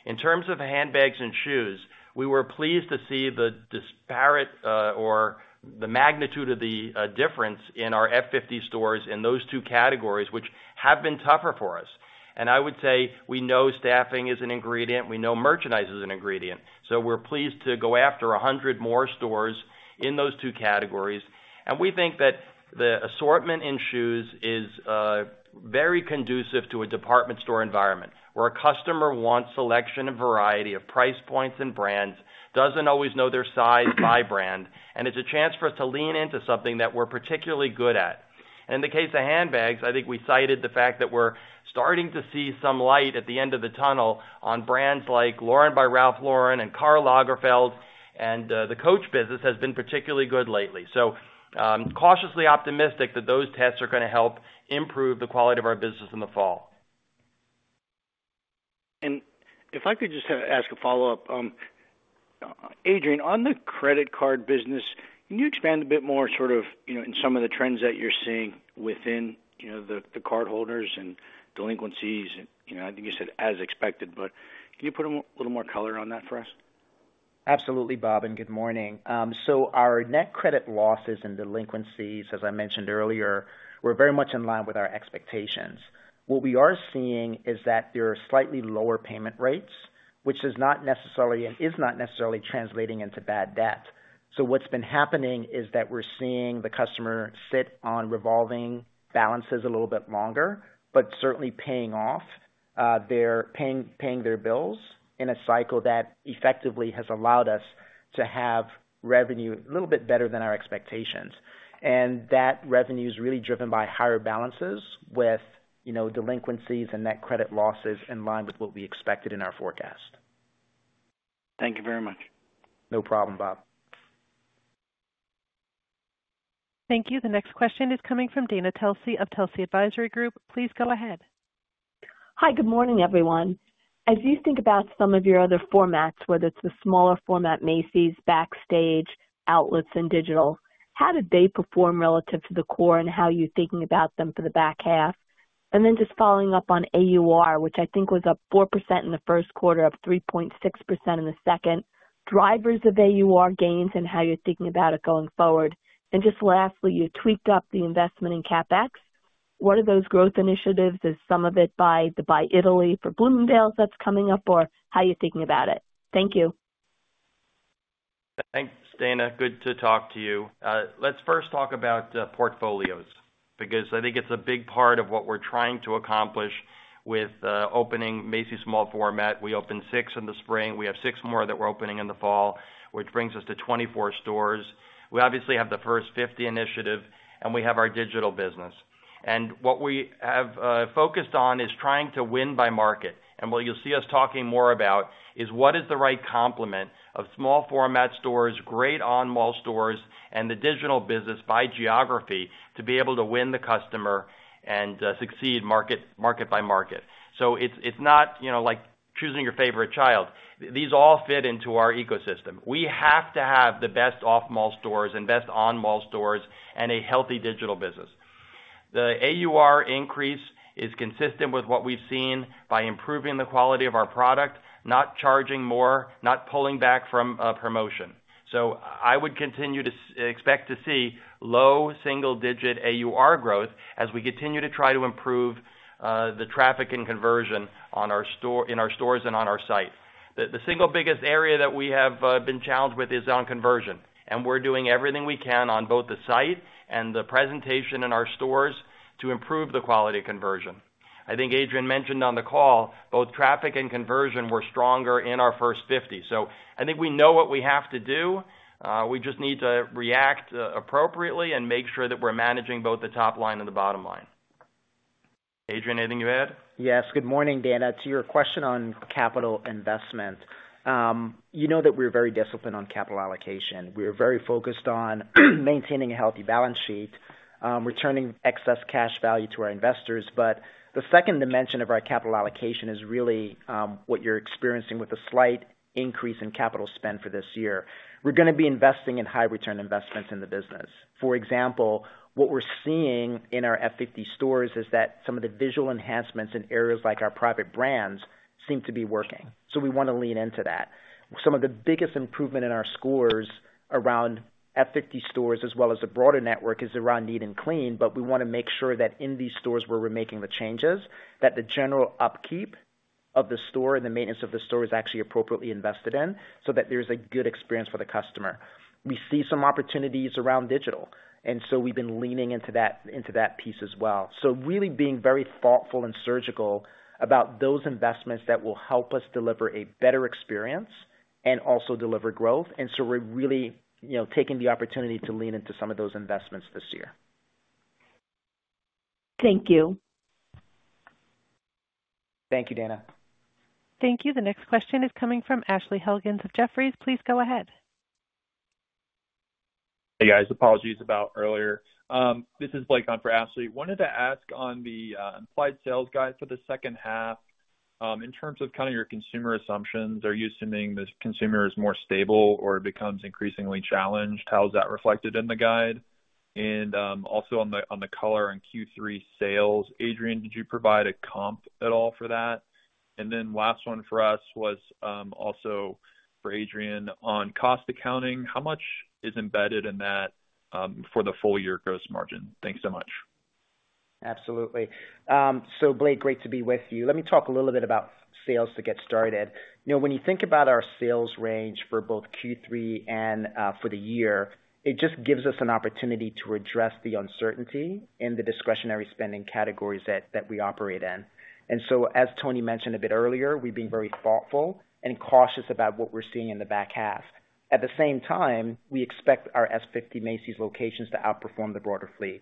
In terms of handbags and shoes, we were pleased to see the disparate or the magnitude of the difference in our F50 stores in those two categories, which have been tougher for us. And I would say, we know staffing is an ingredient, we know merchandise is an ingredient, so we're pleased to go after a 100 more stores in those two categories. And we think that the assortment in shoes is very conducive to a department store environment, where a customer wants selection and variety of price points and brands, doesn't always know their size by brand, and it's a chance for us to lean into something that we're particularly good at. In the case of handbags, I think we cited the fact that we're starting to see some light at the end of the tunnel on brands like Lauren by Ralph Lauren and Karl Lagerfeld, and the Coach business has been particularly good lately. So, cautiously optimistic that those tests are gonna help improve the quality of our business in the fall. If I could just ask a follow-up. Adrian, on the credit card business, can you expand a bit more, sort of, you know, in some of the trends that you're seeing within, you know, the cardholders and delinquencies? You know, I think you said as expected, but can you put a little more color on that for us? Absolutely, Bob, and good morning, so our net credit losses and delinquencies, as I mentioned earlier, were very much in line with our expectations. What we are seeing is that there are slightly lower payment rates, which is not necessarily, and is not necessarily translating into bad debt. So what's been happening is that we're seeing the customer sit on revolving balances a little bit longer, but certainly paying off, they're paying their bills in a cycle that effectively has allowed us to have revenue a little bit better than our expectations, and that revenue is really driven by higher balances with, you know, delinquencies and net credit losses in line with what we expected in our forecast. Thank you very much. No problem, Bob. Thank you. The next question is coming from Dana Telsey of Telsey Advisory Group. Please go ahead. Hi, good morning, everyone. As you think about some of your other formats, whether it's the smaller format, Macy's, Backstage, outlets, and digital, how did they perform relative to the core, and how are you thinking about them for the back half? And then just following up on AUR, which I think was up 4% in the first quarter, up 3.6% in the second. Drivers of AUR gains and how you're thinking about it going forward? And just lastly, you tweaked up the investment in CapEx. What are those growth initiatives? Is some of it the big Italy for Bloomingdale's that's coming up, or how are you thinking about it? Thank you. Thanks, Dana. Good to talk to you. Let's first talk about portfolios, because I think it's a big part of what we're trying to accomplish with opening Macy's small format. We opened six in the spring. We have six more that we're opening in the fall, which brings us to 24 stores. We obviously have the First 50 initiative, and we have our digital business. And what we have focused on is trying to win by market. And what you'll see us talking more about is what is the right complement of small format stores, great on-mall stores, and the digital business by geography, to be able to win the customer and succeed market, market by market. So it's, it's not, you know, like choosing your favorite child. These all fit into our ecosystem. We have to have the best off-mall stores and best on-mall stores and a healthy digital business. The AUR increase is consistent with what we've seen by improving the quality of our product, not charging more, not pulling back from promotion. So I would continue to expect to see low single digit AUR growth as we continue to try to improve the traffic and conversion in our stores and on our site. The single biggest area that we have been challenged with is on conversion, and we're doing everything we can on both the site and the presentation in our stores to improve the quality of conversion. I think Adrian mentioned on the call, both traffic and conversion were stronger in our First 50. I think we know what we have to do, we just need to react appropriately and make sure that we're managing both the top line and the bottom line. Adrian, anything to add? Yes, good morning, Dana. To your question on capital investment, you know that we're very disciplined on capital allocation. We are very focused on maintaining a healthy balance sheet, returning excess cash value to our investors. But the second dimension of our capital allocation is really, what you're experiencing with a slight increase in capital spend for this year. We're gonna be investing in high return investments in the business. For example, what we're seeing in our F50 stores is that some of the visual enhancements in areas like our private brands seem to be working, so we want to lean into that. Some of the biggest improvement in our scores around First 50 stores, as well as the broader network, is around neat and clean, but we wanna make sure that in these stores where we're making the changes, that the general upkeep of the store and the maintenance of the store is actually appropriately invested in, so that there's a good experience for the customer. We see some opportunities around digital, and so we've been leaning into that, into that piece as well, so really being very thoughtful and surgical about those investments that will help us deliver a better experience and also deliver growth, and so we're really, you know, taking the opportunity to lean into some of those investments this year. Thank you. Thank you, Dana. Thank you. The next question is coming from Ashley Helgans of Jefferies. Please go ahead. Hey, guys. Apologies about earlier. This is Blake on for Ashley. Wanted to ask on the, implied sales guide for the second half. In terms of kind of your consumer assumptions, are you assuming this consumer is more stable or becomes increasingly challenged? How is that reflected in the guide? And, also on the, on the color in Q3 sales, Adrian, did you provide a comp at all for that? And then last one for us was, also for Adrian. On cost accounting, how much is embedded in that, for the full year gross margin? Thanks so much. Absolutely. So Blake, great to be with you. Let me talk a little bit about sales to get started. You know, when you think about our sales range for both Q3 and for the year, it just gives us an opportunity to address the uncertainty in the discretionary spending categories that we operate in. And so as Tony mentioned a bit earlier, we've been very thoughtful and cautious about what we're seeing in the back half. At the same time, we expect our First 50 Macy's locations to outperform the broader fleet.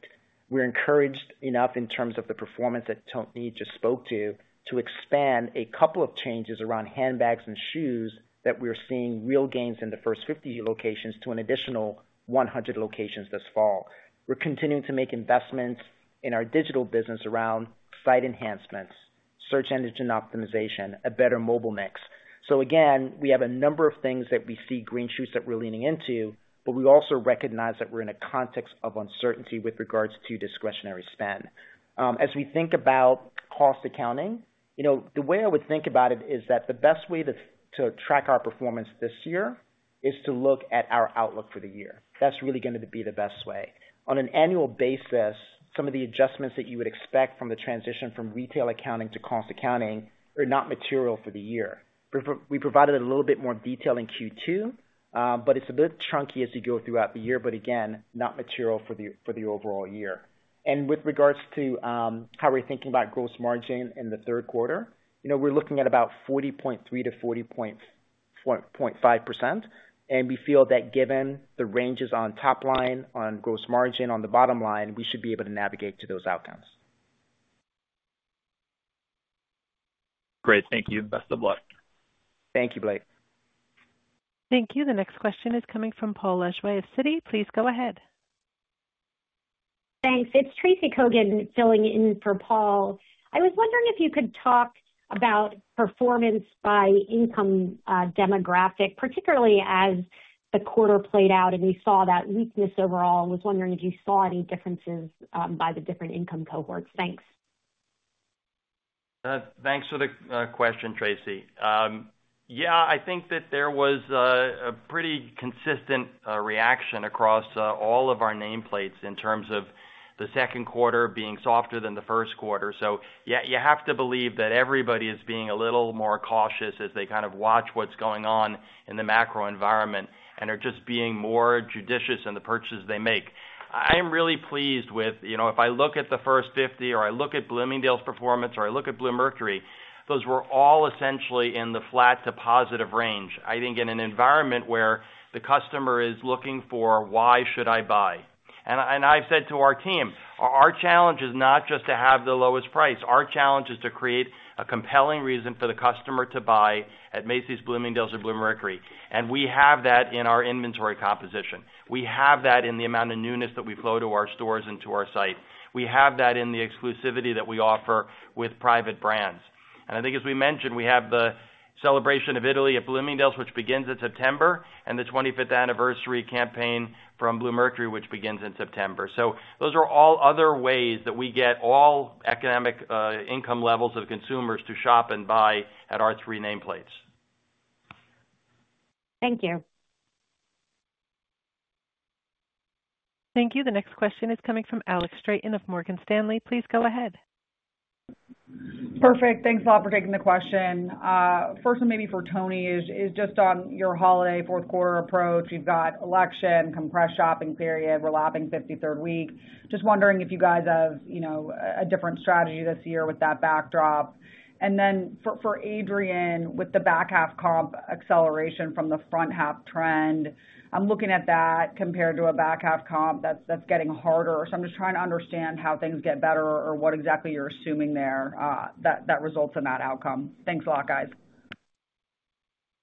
We're encouraged enough in terms of the performance that Tony just spoke to, to expand a couple of changes around handbags and shoes that we're seeing real gains in the First 50 locations to an additional 100 locations this fall. We're continuing to make investments in our digital business around site enhancements, search engine optimization, a better mobile mix. So again, we have a number of things that we see green shoots that we're leaning into, but we also recognize that we're in a context of uncertainty with regards to discretionary spend. As we think about cost accounting, you know, the way I would think about it is that the best way to track our performance this year is to look at our outlook for the year. That's really going to be the best way. On an annual basis, some of the adjustments that you would expect from the transition from retail accounting to cost accounting are not material for the year. We provided a little bit more detail in Q2, but it's a bit chunky as you go throughout the year, but again, not material for the overall year. And with regards to how we're thinking about gross margin in the third quarter, you know, we're looking at about 40.3%-40.5%, and we feel that given the ranges on top line, on gross margin, on the bottom line, we should be able to navigate to those outcomes. Great. Thank you. Best of luck. Thank you, Blake. Thank you. The next question is coming from Paul Lejuez of Citi. Please go ahead. Thanks. It's Tracy Kogan filling in for Paul. I was wondering if you could talk about performance by income, demographic, particularly as the quarter played out and we saw that weakness overall. I was wondering if you could see any differences by the different income cohorts. Thanks. Thanks for the question, Tracy. Yeah, I think that there was a pretty consistent reaction across all of our nameplates in terms of the second quarter being softer than the first quarter. So yeah, you have to believe that everybody is being a little more cautious as they kind of watch what's going on in the macro environment and are just being more judicious in the purchases they make. I am really pleased with... You know, if I look at the First 50 or I look at Bloomingdale's performance or I look at Bluemercury, those were all essentially in the flat to positive range. I think in an environment where the customer is looking for, "Why should I buy?" And I've said to our team, our challenge is not just to have the lowest price. Our challenge is to create a compelling reason for the customer to buy at Macy's, Bloomingdale's or Bluemercury, and we have that in our inventory composition. We have that in the amount of newness that we flow to our stores and to our site. We have that in the exclusivity that we offer with private brands, and I think as we mentioned, we have the celebration of Italy at Bloomingdale's, which begins in September, and the 25th anniversary campaign from Bluemercury, which begins in September, so those are all other ways that we get all economic, income levels of consumers to shop and buy at our three nameplates. Thank you. Thank you. The next question is coming from Alex Straton of Morgan Stanley. Please go ahead. Perfect. Thanks a lot for taking the question. First one maybe for Tony is just on your holiday fourth quarter approach. You've got election, compressed shopping period, we're lapping 53rd week. Just wondering if you guys have, you know, a different strategy this year with that backdrop. And then for Adrian, with the back half comp acceleration from the front half trend, I'm looking at that compared to a back half comp that's getting harder. So I'm just trying to understand how things get better or what exactly you're assuming there that results in that outcome. Thanks a lot, guys.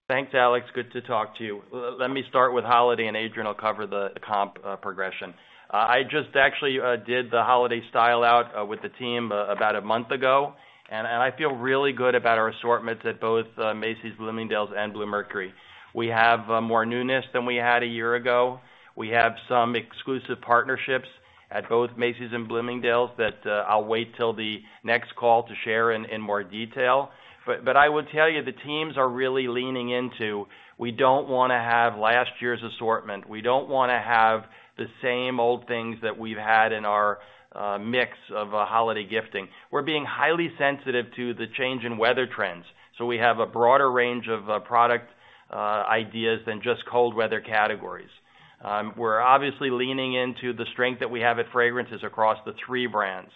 Thanks, Alex. Good to talk to you. Let me start with holiday, and Adrian will cover the comp progression. I just actually did the holiday style out with the team about a month ago, and I feel really good about our assortments at both Macy's, Bloomingdale's and Bluemercury. We have more newness than we had a year ago. We have some exclusive partnerships at both Macy's and Bloomingdale's that I'll wait till the next call to share in more detail. But I will tell you, the teams are really leaning into, "We don't wanna have last year's assortment. We don't wanna have the same old things that we've had in our mix of holiday gifting. We're being highly sensitive to the change in weather trends, so we have a broader range of product ideas than just cold weather categories. We're obviously leaning into the strength that we have at fragrances across the three brands.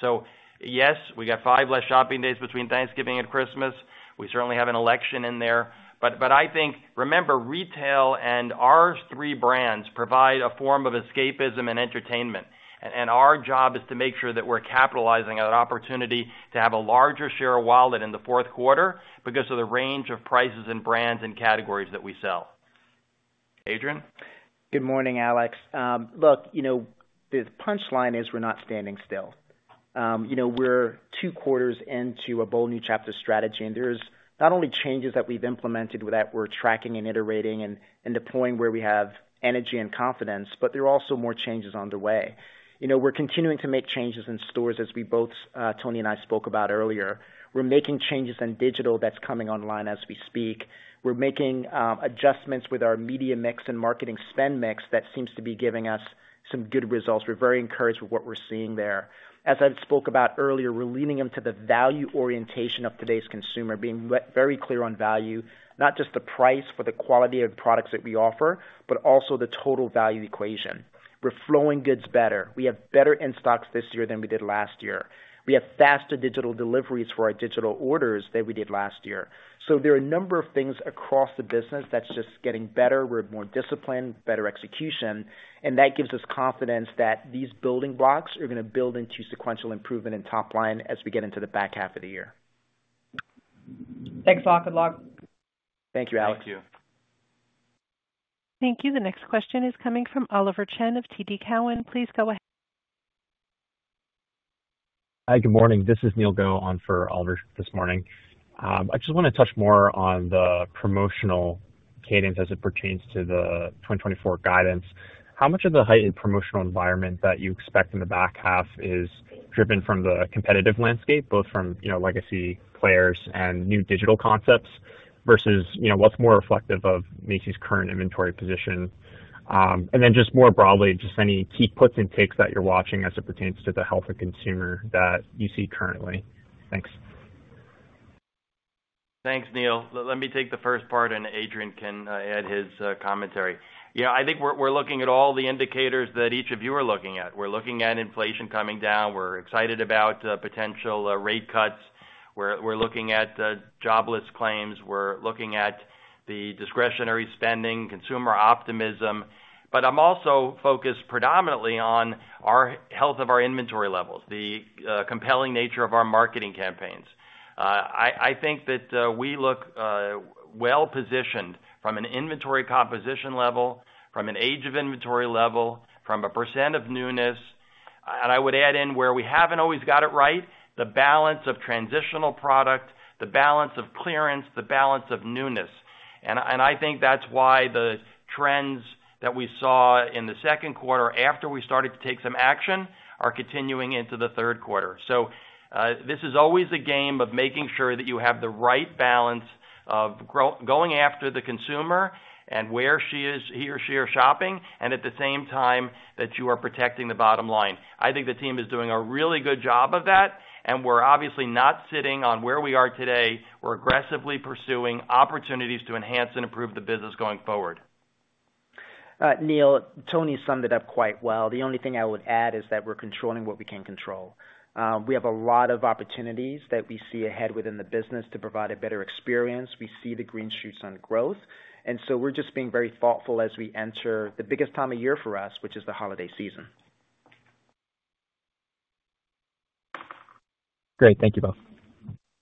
So yes, we got five less shopping days between Thanksgiving and Christmas. We certainly have an election in there. But I think, remember, retail and our three brands provide a form of escapism and entertainment, and our job is to make sure that we're capitalizing on an opportunity to have a larger share of wallet in the fourth quarter because of the range of prices and brands and categories that we sell. Adrian? Good morning, Alex. Look, you know, the punchline is we're not standing still. You know, we're two quarters into a Bold New Chapter strategy, and there's not only changes that we've implemented with that, we're tracking and iterating and deploying where we have energy and confidence, but there are also more changes on the way. You know, we're continuing to make changes in stores, as we both, Tony and I spoke about earlier. We're making changes in digital that's coming online as we speak. We're making adjustments with our media mix and marketing spend mix that seems to be giving us some good results. We're very encouraged with what we're seeing there. As I spoke about earlier, we're leaning into the value orientation of today's consumer, being very clear on value, not just the price for the quality of products that we offer, but also the total value equation. We're flowing goods better. We have better in stocks this year than we did last year. We have faster digital deliveries for our digital orders than we did last year. So there are a number of things across the business that's just getting better. We're more disciplined, better execution, and that gives us confidence that these building blocks are gonna build into sequential improvement in top line as we get into the back half of the year. Thanks a lot. Good luck. Thank you, Alex. Thank you. Thank you. The next question is coming from Oliver Chen of TD Cowen. Please go ahead. Hi, good morning. This is Neil Goh, on for Oliver this morning. I just wanna touch more on the promotional cadence as it pertains to the 2024 guidance. How much of the heightened promotional environment that you expect in the back half is driven from the competitive landscape, both from, you know, legacy players and new digital concepts, versus, you know, what's more reflective of Macy's current inventory position? And then just more broadly, just any key puts and takes that you're watching as it pertains to the health of consumer that you see currently. Thanks. Thanks, Neil. Let me take the first part, and Adrian can add his commentary. Yeah, I think we're looking at all the indicators that each of you are looking at. We're looking at inflation coming down. We're excited about potential rate cuts. We're looking at jobless claims. We're looking at the discretionary spending, consumer optimism. But I'm also focused predominantly on our health of our inventory levels, the compelling nature of our marketing campaigns. I think that we look well positioned from an inventory composition level, from an age of inventory level, from a percent of newness. And I would add in where we haven't always got it right, the balance of transitional product, the balance of clearance, the balance of newness. I think that's why the trends that we saw in the second quarter after we started to take some action are continuing into the third quarter. This is always a game of making sure that you have the right balance of going after the consumer and where she is, he or she are shopping, and at the same time, that you are protecting the bottom line. I think the team is doing a really good job of that, and we're obviously not sitting on where we are today. We're aggressively pursuing opportunities to enhance and improve the business going forward. Neil, Tony summed it up quite well. The only thing I would add is that we're controlling what we can control. We have a lot of opportunities that we see ahead within the business to provide a better experience. We see the green shoots on growth, and so we're just being very thoughtful as we enter the biggest time of year for us, which is the holiday season. Great. Thank you both.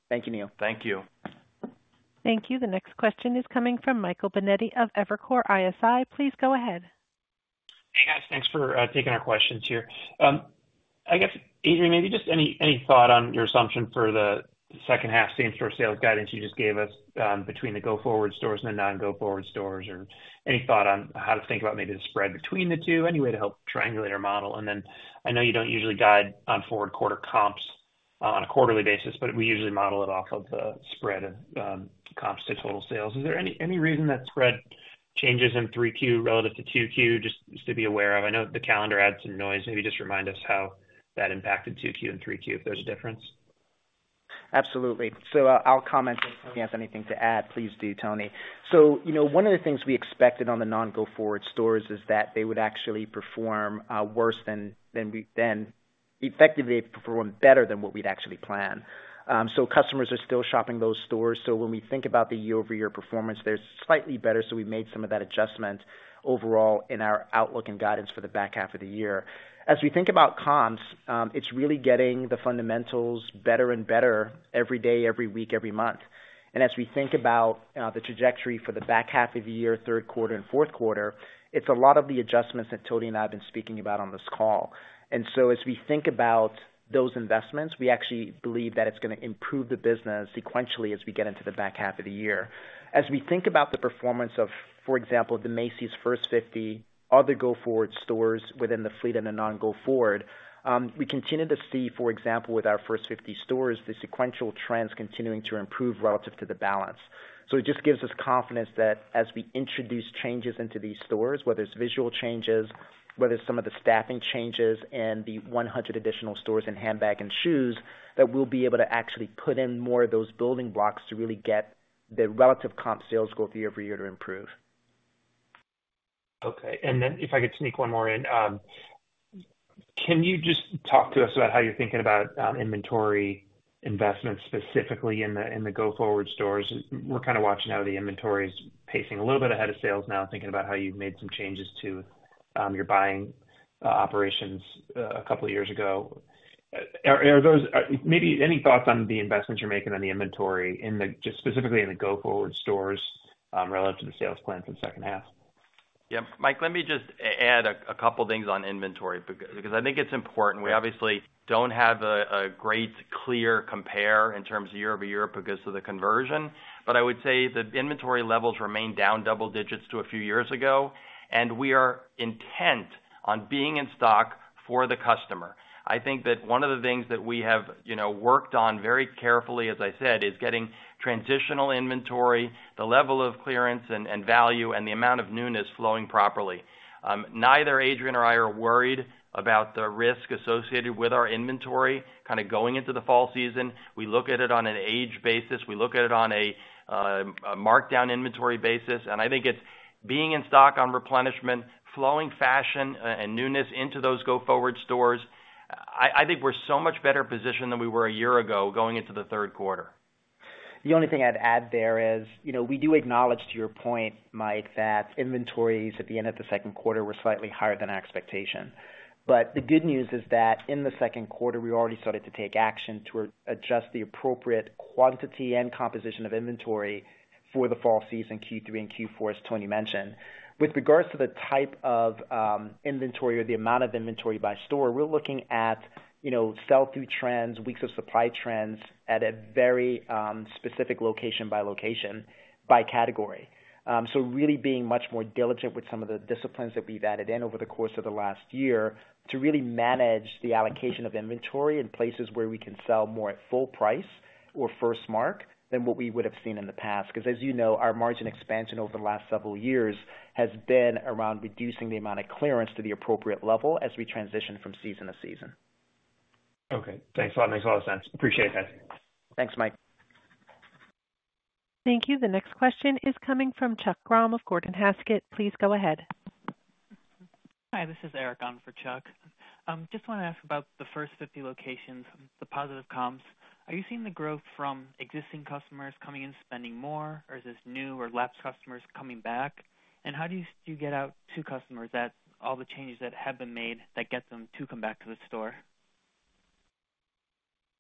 Thank you, Neil. Thank you. Thank you. The next question is coming from Michael Binetti of Evercore ISI. Please go ahead. Hey, guys. Thanks for taking our questions here. I guess, Adrian, maybe just any thought on your assumption for the second half same-store sales guidance you just gave us, between the go-forward stores and the non-go-forward stores, or any thought on how to think about maybe the spread between the two, any way to help triangulate our model, and then I know you don't usually guide on forward quarter comps on a quarterly basis, but we usually model it off of the spread of comps to total sales. Is there any reason that spread changes in 3Q relative to 2Q just to be aware of? I know the calendar adds some noise. Maybe just remind us how that impacted 2Q and 3Q, if there's a difference. Absolutely. So I'll comment, and if Tony has anything to add, please do, Tony. So you know, one of the things we expected on the non-go-forward stores is that they would actually perform worse than we effectively perform better than what we'd actually planned. So customers are still shopping those stores. So when we think about the year-over-year performance, they're slightly better, so we made some of that adjustment overall in our outlook and guidance for the back half of the year. As we think about comps, it's really getting the fundamentals better and better every day, every week, every month. And as we think about the trajectory for the back half of the year, third quarter and fourth quarter, it's a lot of the adjustments that Tony and I have been speaking about on this call. And so as we think about those investments, we actually believe that it's gonna improve the business sequentially as we get into the back half of the year. As we think about the performance of, for example, the Macy's First 50 other go-forward stores within the fleet and the non-go-forward, we continue to see, for example, with our First 50 stores, the sequential trends continuing to improve relative to the balance. So it just gives us confidence that as we introduce changes into these stores, whether it's visual changes, whether it's some of the staffing changes and the 100 additional stores in handbag and shoes, that we'll be able to actually put in more of those building blocks to really get the relative comp sales growth year-over-year to improve.... Okay, and then if I could sneak one more in. Can you just talk to us about how you're thinking about inventory investment, specifically in the Go-forward stores? We're kind of watching how the inventory is pacing a little bit ahead of sales now, thinking about how you've made some changes to your buying operations a couple of years ago. Are those-- maybe any thoughts on the investments you're making on the inventory in the just specifically in the go-forward stores relative to the sales plans in the second half? Yeah, Mike, let me just add a couple things on inventory because I think it's important. We obviously don't have a great clear compare in terms of year-over-year because of the conversion. But I would say that inventory levels remain down double digits to a few years ago, and we are intent on being in stock for the customer. I think that one of the things that we have, you know, worked on very carefully, as I said, is getting transitional inventory, the level of clearance and value, and the amount of newness flowing properly. Neither Adrian nor I are worried about the risk associated with our inventory, kind of going into the fall season. We look at it on an age basis. We look at it on a markdown inventory basis, and I think it's being in stock on replenishment, flowing fashion and newness into those go-forward stores. I think we're so much better positioned than we were a year ago, going into the third quarter. The only thing I'd add there is, you know, we do acknowledge to your point, Mike, that inventories at the end of the second quarter were slightly higher than expectation. But the good news is that in the second quarter, we already started to take action to adjust the appropriate quantity and composition of inventory for the fall season, Q3 and Q4, as Tony mentioned. With regards to the type of inventory or the amount of inventory by store, we're looking at, you know, sell-through trends, weeks of supply trends at a very specific location by location, by category. So really being much more diligent with some of the disciplines that we've added in over the course of the last year to really manage the allocation of inventory in places where we can sell more at full price or first mark than what we would have seen in the past. Because, as you know, our margin expansion over the last several years has been around reducing the amount of clearance to the appropriate level as we transition from season-to-season. Okay. Thanks a lot. Makes a lot of sense. Appreciate that. Thanks, Mike. Thank you. The next question is coming from Chuck Grom of Gordon Haskett. Please go ahead. Hi, this is Eric on for Chuck. Just want to ask about the First 50 locations, the positive comps. Are you seeing the growth from existing customers coming in, spending more, or is this new or lapsed customers coming back? And how do you, do you get out to customers that all the changes that have been made, that get them to come back to the store?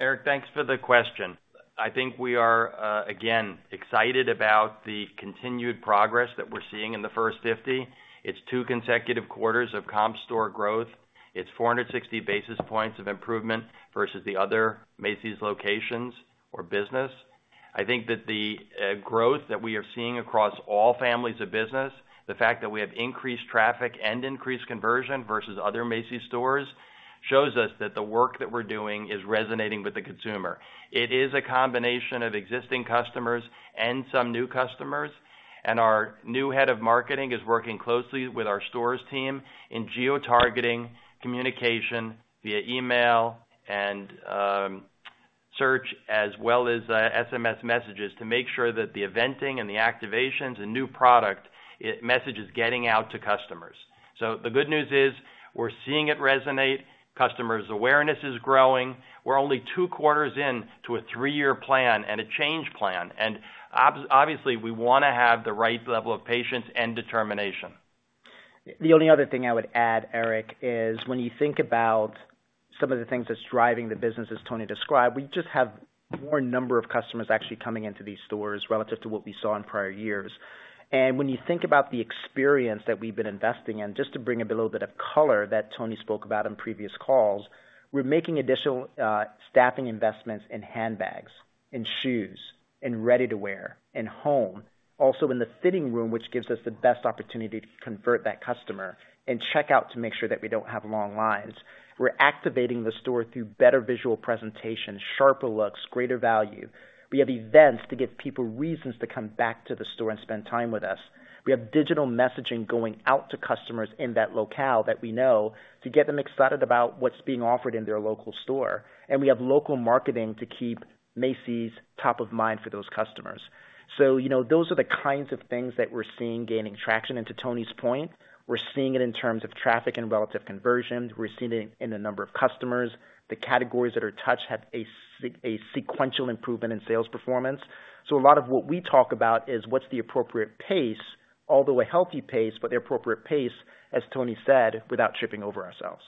Eric, thanks for the question. I think we are again excited about the continued progress that we're seeing in the First 50. It's two consecutive quarters of comp store growth. It's 460 basis points of improvement versus the other Macy's locations or business. I think that the growth that we are seeing across all families of business, the fact that we have increased traffic and increased conversion versus other Macy's stores, shows us that the work that we're doing is resonating with the consumer. It is a combination of existing customers and some new customers, and our new head of marketing is working closely with our stores team in geotargeting communication via email and search, as well as SMS messages, to make sure that the eventing and the activations and new product message is getting out to customers. So the good news is, we're seeing it resonate. Customers' awareness is growing. We're only two quarters in to a three-year plan and a change plan, and obviously, we wanna have the right level of patience and determination. The only other thing I would add, Eric, is when you think about some of the things that's driving the business, as Tony described, we just have more number of customers actually coming into these stores relative to what we saw in prior years. And when you think about the experience that we've been investing in, just to bring a little bit of color that Tony spoke about on previous calls, we're making additional staffing investments in handbags, in shoes, in ready-to-wear, in home. Also, in the fitting room, which gives us the best opportunity to convert that customer and check out to make sure that we don't have long lines. We're activating the store through better visual presentation, sharper looks, greater value. We have events to give people reasons to come back to the store and spend time with us. We have digital messaging going out to customers in that locale that we know to get them excited about what's being offered in their local store. And we have local marketing to keep Macy's top of mind for those customers. So, you know, those are the kinds of things that we're seeing gaining traction. And to Tony's point, we're seeing it in terms of traffic and relative conversions. We're seeing it in the number of customers. The categories that are touched have a sequential improvement in sales performance. So a lot of what we talk about is what's the appropriate pace, although a healthy pace, but the appropriate pace, as Tony said, without tripping over ourselves.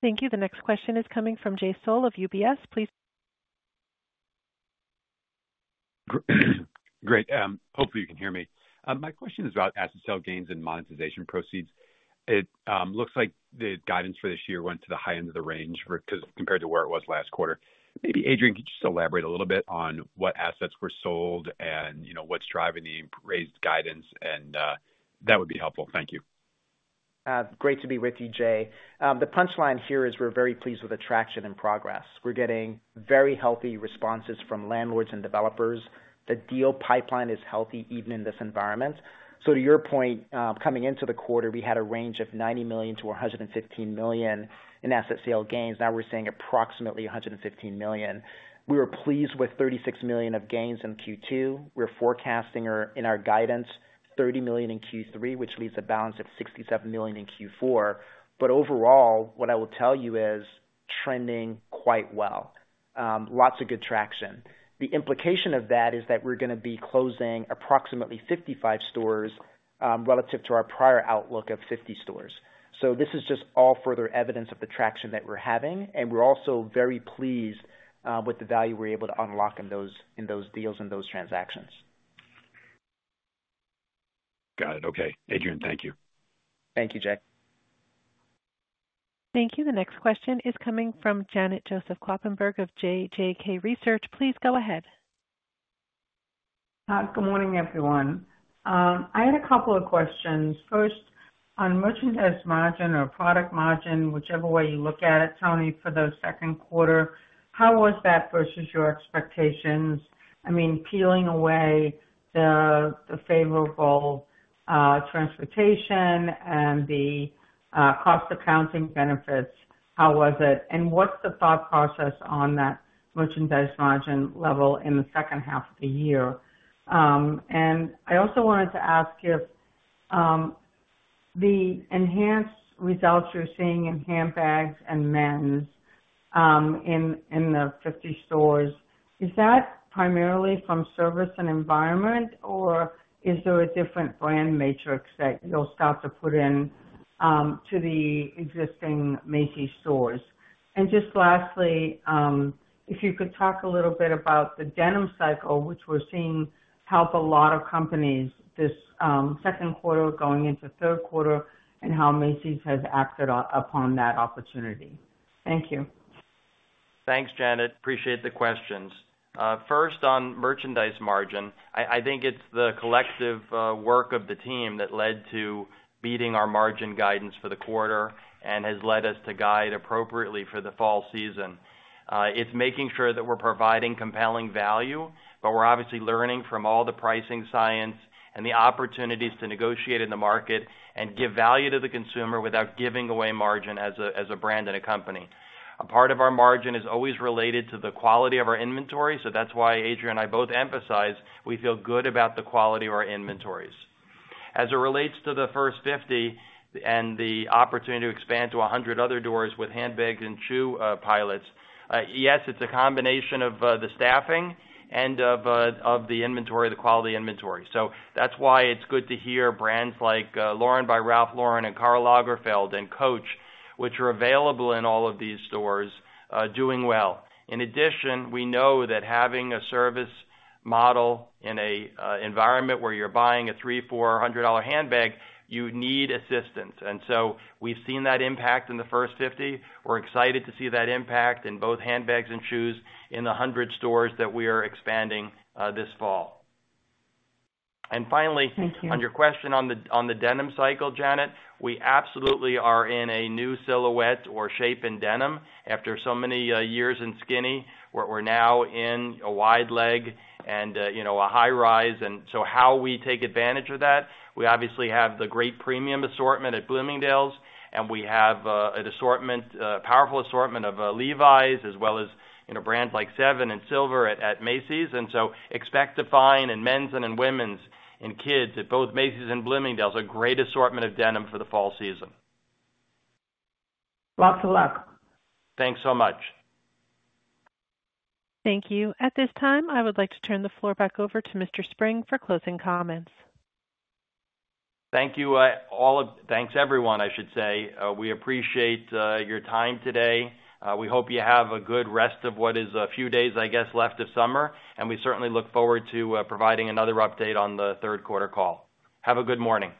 Thank you. The next question is coming from Jay Sole of UBS. Please- Great. Hopefully, you can hear me. My question is about asset sale gains and monetization proceeds. It looks like the guidance for this year went to the high end of the range because compared to where it was last quarter. Maybe, Adrian, could you just elaborate a little bit on what assets were sold and, you know, what's driving the raised guidance, and that would be helpful. Thank you. ... Great to be with you, Jay. The punchline here is we're very pleased with the traction and progress. We're getting very healthy responses from landlords and developers. The deal pipeline is healthy, even in this environment. So to your point, coming into the quarter, we had a range of $90 million-$115 million in asset sale gains. Now we're seeing approximately $115 million. We were pleased with $36 million of gains in Q2. We're forecasting in our guidance, $30 million in Q3, which leaves a balance of $67 million in Q4. But overall, what I will tell you is trending quite well. Lots of good traction. The implication of that is that we're going to be closing approximately 55 stores, relative to our prior outlook of 50 stores. So this is just all further evidence of the traction that we're having, and we're also very pleased with the value we're able to unlock in those, in those deals and those transactions. Got it. Okay, Adrian, thank you. Thank you, Jay. Thank you. The next question is coming from Janet Joseph-Kloppenburg of JJK Research. Please go ahead. Good morning, everyone. I had a couple of questions. First, on merchandise margin or product margin, whichever way you look at it, Tony, for the second quarter, how was that versus your expectations? I mean, peeling away the favorable transportation and the cost accounting benefits, how was it? And what's the thought process on that merchandise margin level in the second half of the year? And I also wanted to ask if the enhanced results you're seeing in handbags and men's in the 50 stores, is that primarily from service and environment, or is there a different brand matrix that you'll start to put in to the existing Macy's stores? Just lastly, if you could talk a little bit about the denim cycle, which we're seeing help a lot of companies this second quarter going into third quarter, and how Macy's has acted upon that opportunity. Thank you. Thanks, Janet. Appreciate the questions. First, on merchandise margin, I think it's the collective work of the team that led to beating our margin guidance for the quarter and has led us to guide appropriately for the fall season. It's making sure that we're providing compelling value, but we're obviously learning from all the pricing science and the opportunities to negotiate in the market and give value to the consumer without giving away margin as a brand and a company. A part of our margin is always related to the quality of our inventory, so that's why Adrian and I both emphasize we feel good about the quality of our inventories. As it relates to the First 50 and the opportunity to expand to 100 other doors with handbags and shoe pilots, yes, it's a combination of the staffing and of the inventory, the quality inventory. So that's why it's good to hear brands like Lauren by Ralph Lauren and Karl Lagerfeld and Coach, which are available in all of these stores, doing well. In addition, we know that having a service model in a environment where you're buying a $300-$400 handbag, you need assistance. And so we've seen that impact in the First 50. We're excited to see that impact in both handbags and shoes in the 100 stores that we are expanding this fall. And finally- Thank you. On your question on the denim cycle, Janet, we absolutely are in a new silhouette or shape in denim. After so many years in skinny, we're now in a wide leg and a, you know, a high rise. And so how we take advantage of that, we obviously have the great premium assortment at Bloomingdale's, and we have an assortment, powerful assortment of Levi's as well as, you know, brands like Seven and Silver at Macy's. And so expect to find in men's and in women's and kids, at both Macy's and Bloomingdale's, a great assortment of denim for the fall season. Lots of luck. Thanks so much. Thank you. At this time, I would like to turn the floor back over to Mr. Spring for closing comments. Thank you. Thanks, everyone, I should say. We appreciate your time today. We hope you have a good rest of what is a few days, I guess, left of summer, and we certainly look forward to providing another update on the third quarter call. Have a good morning.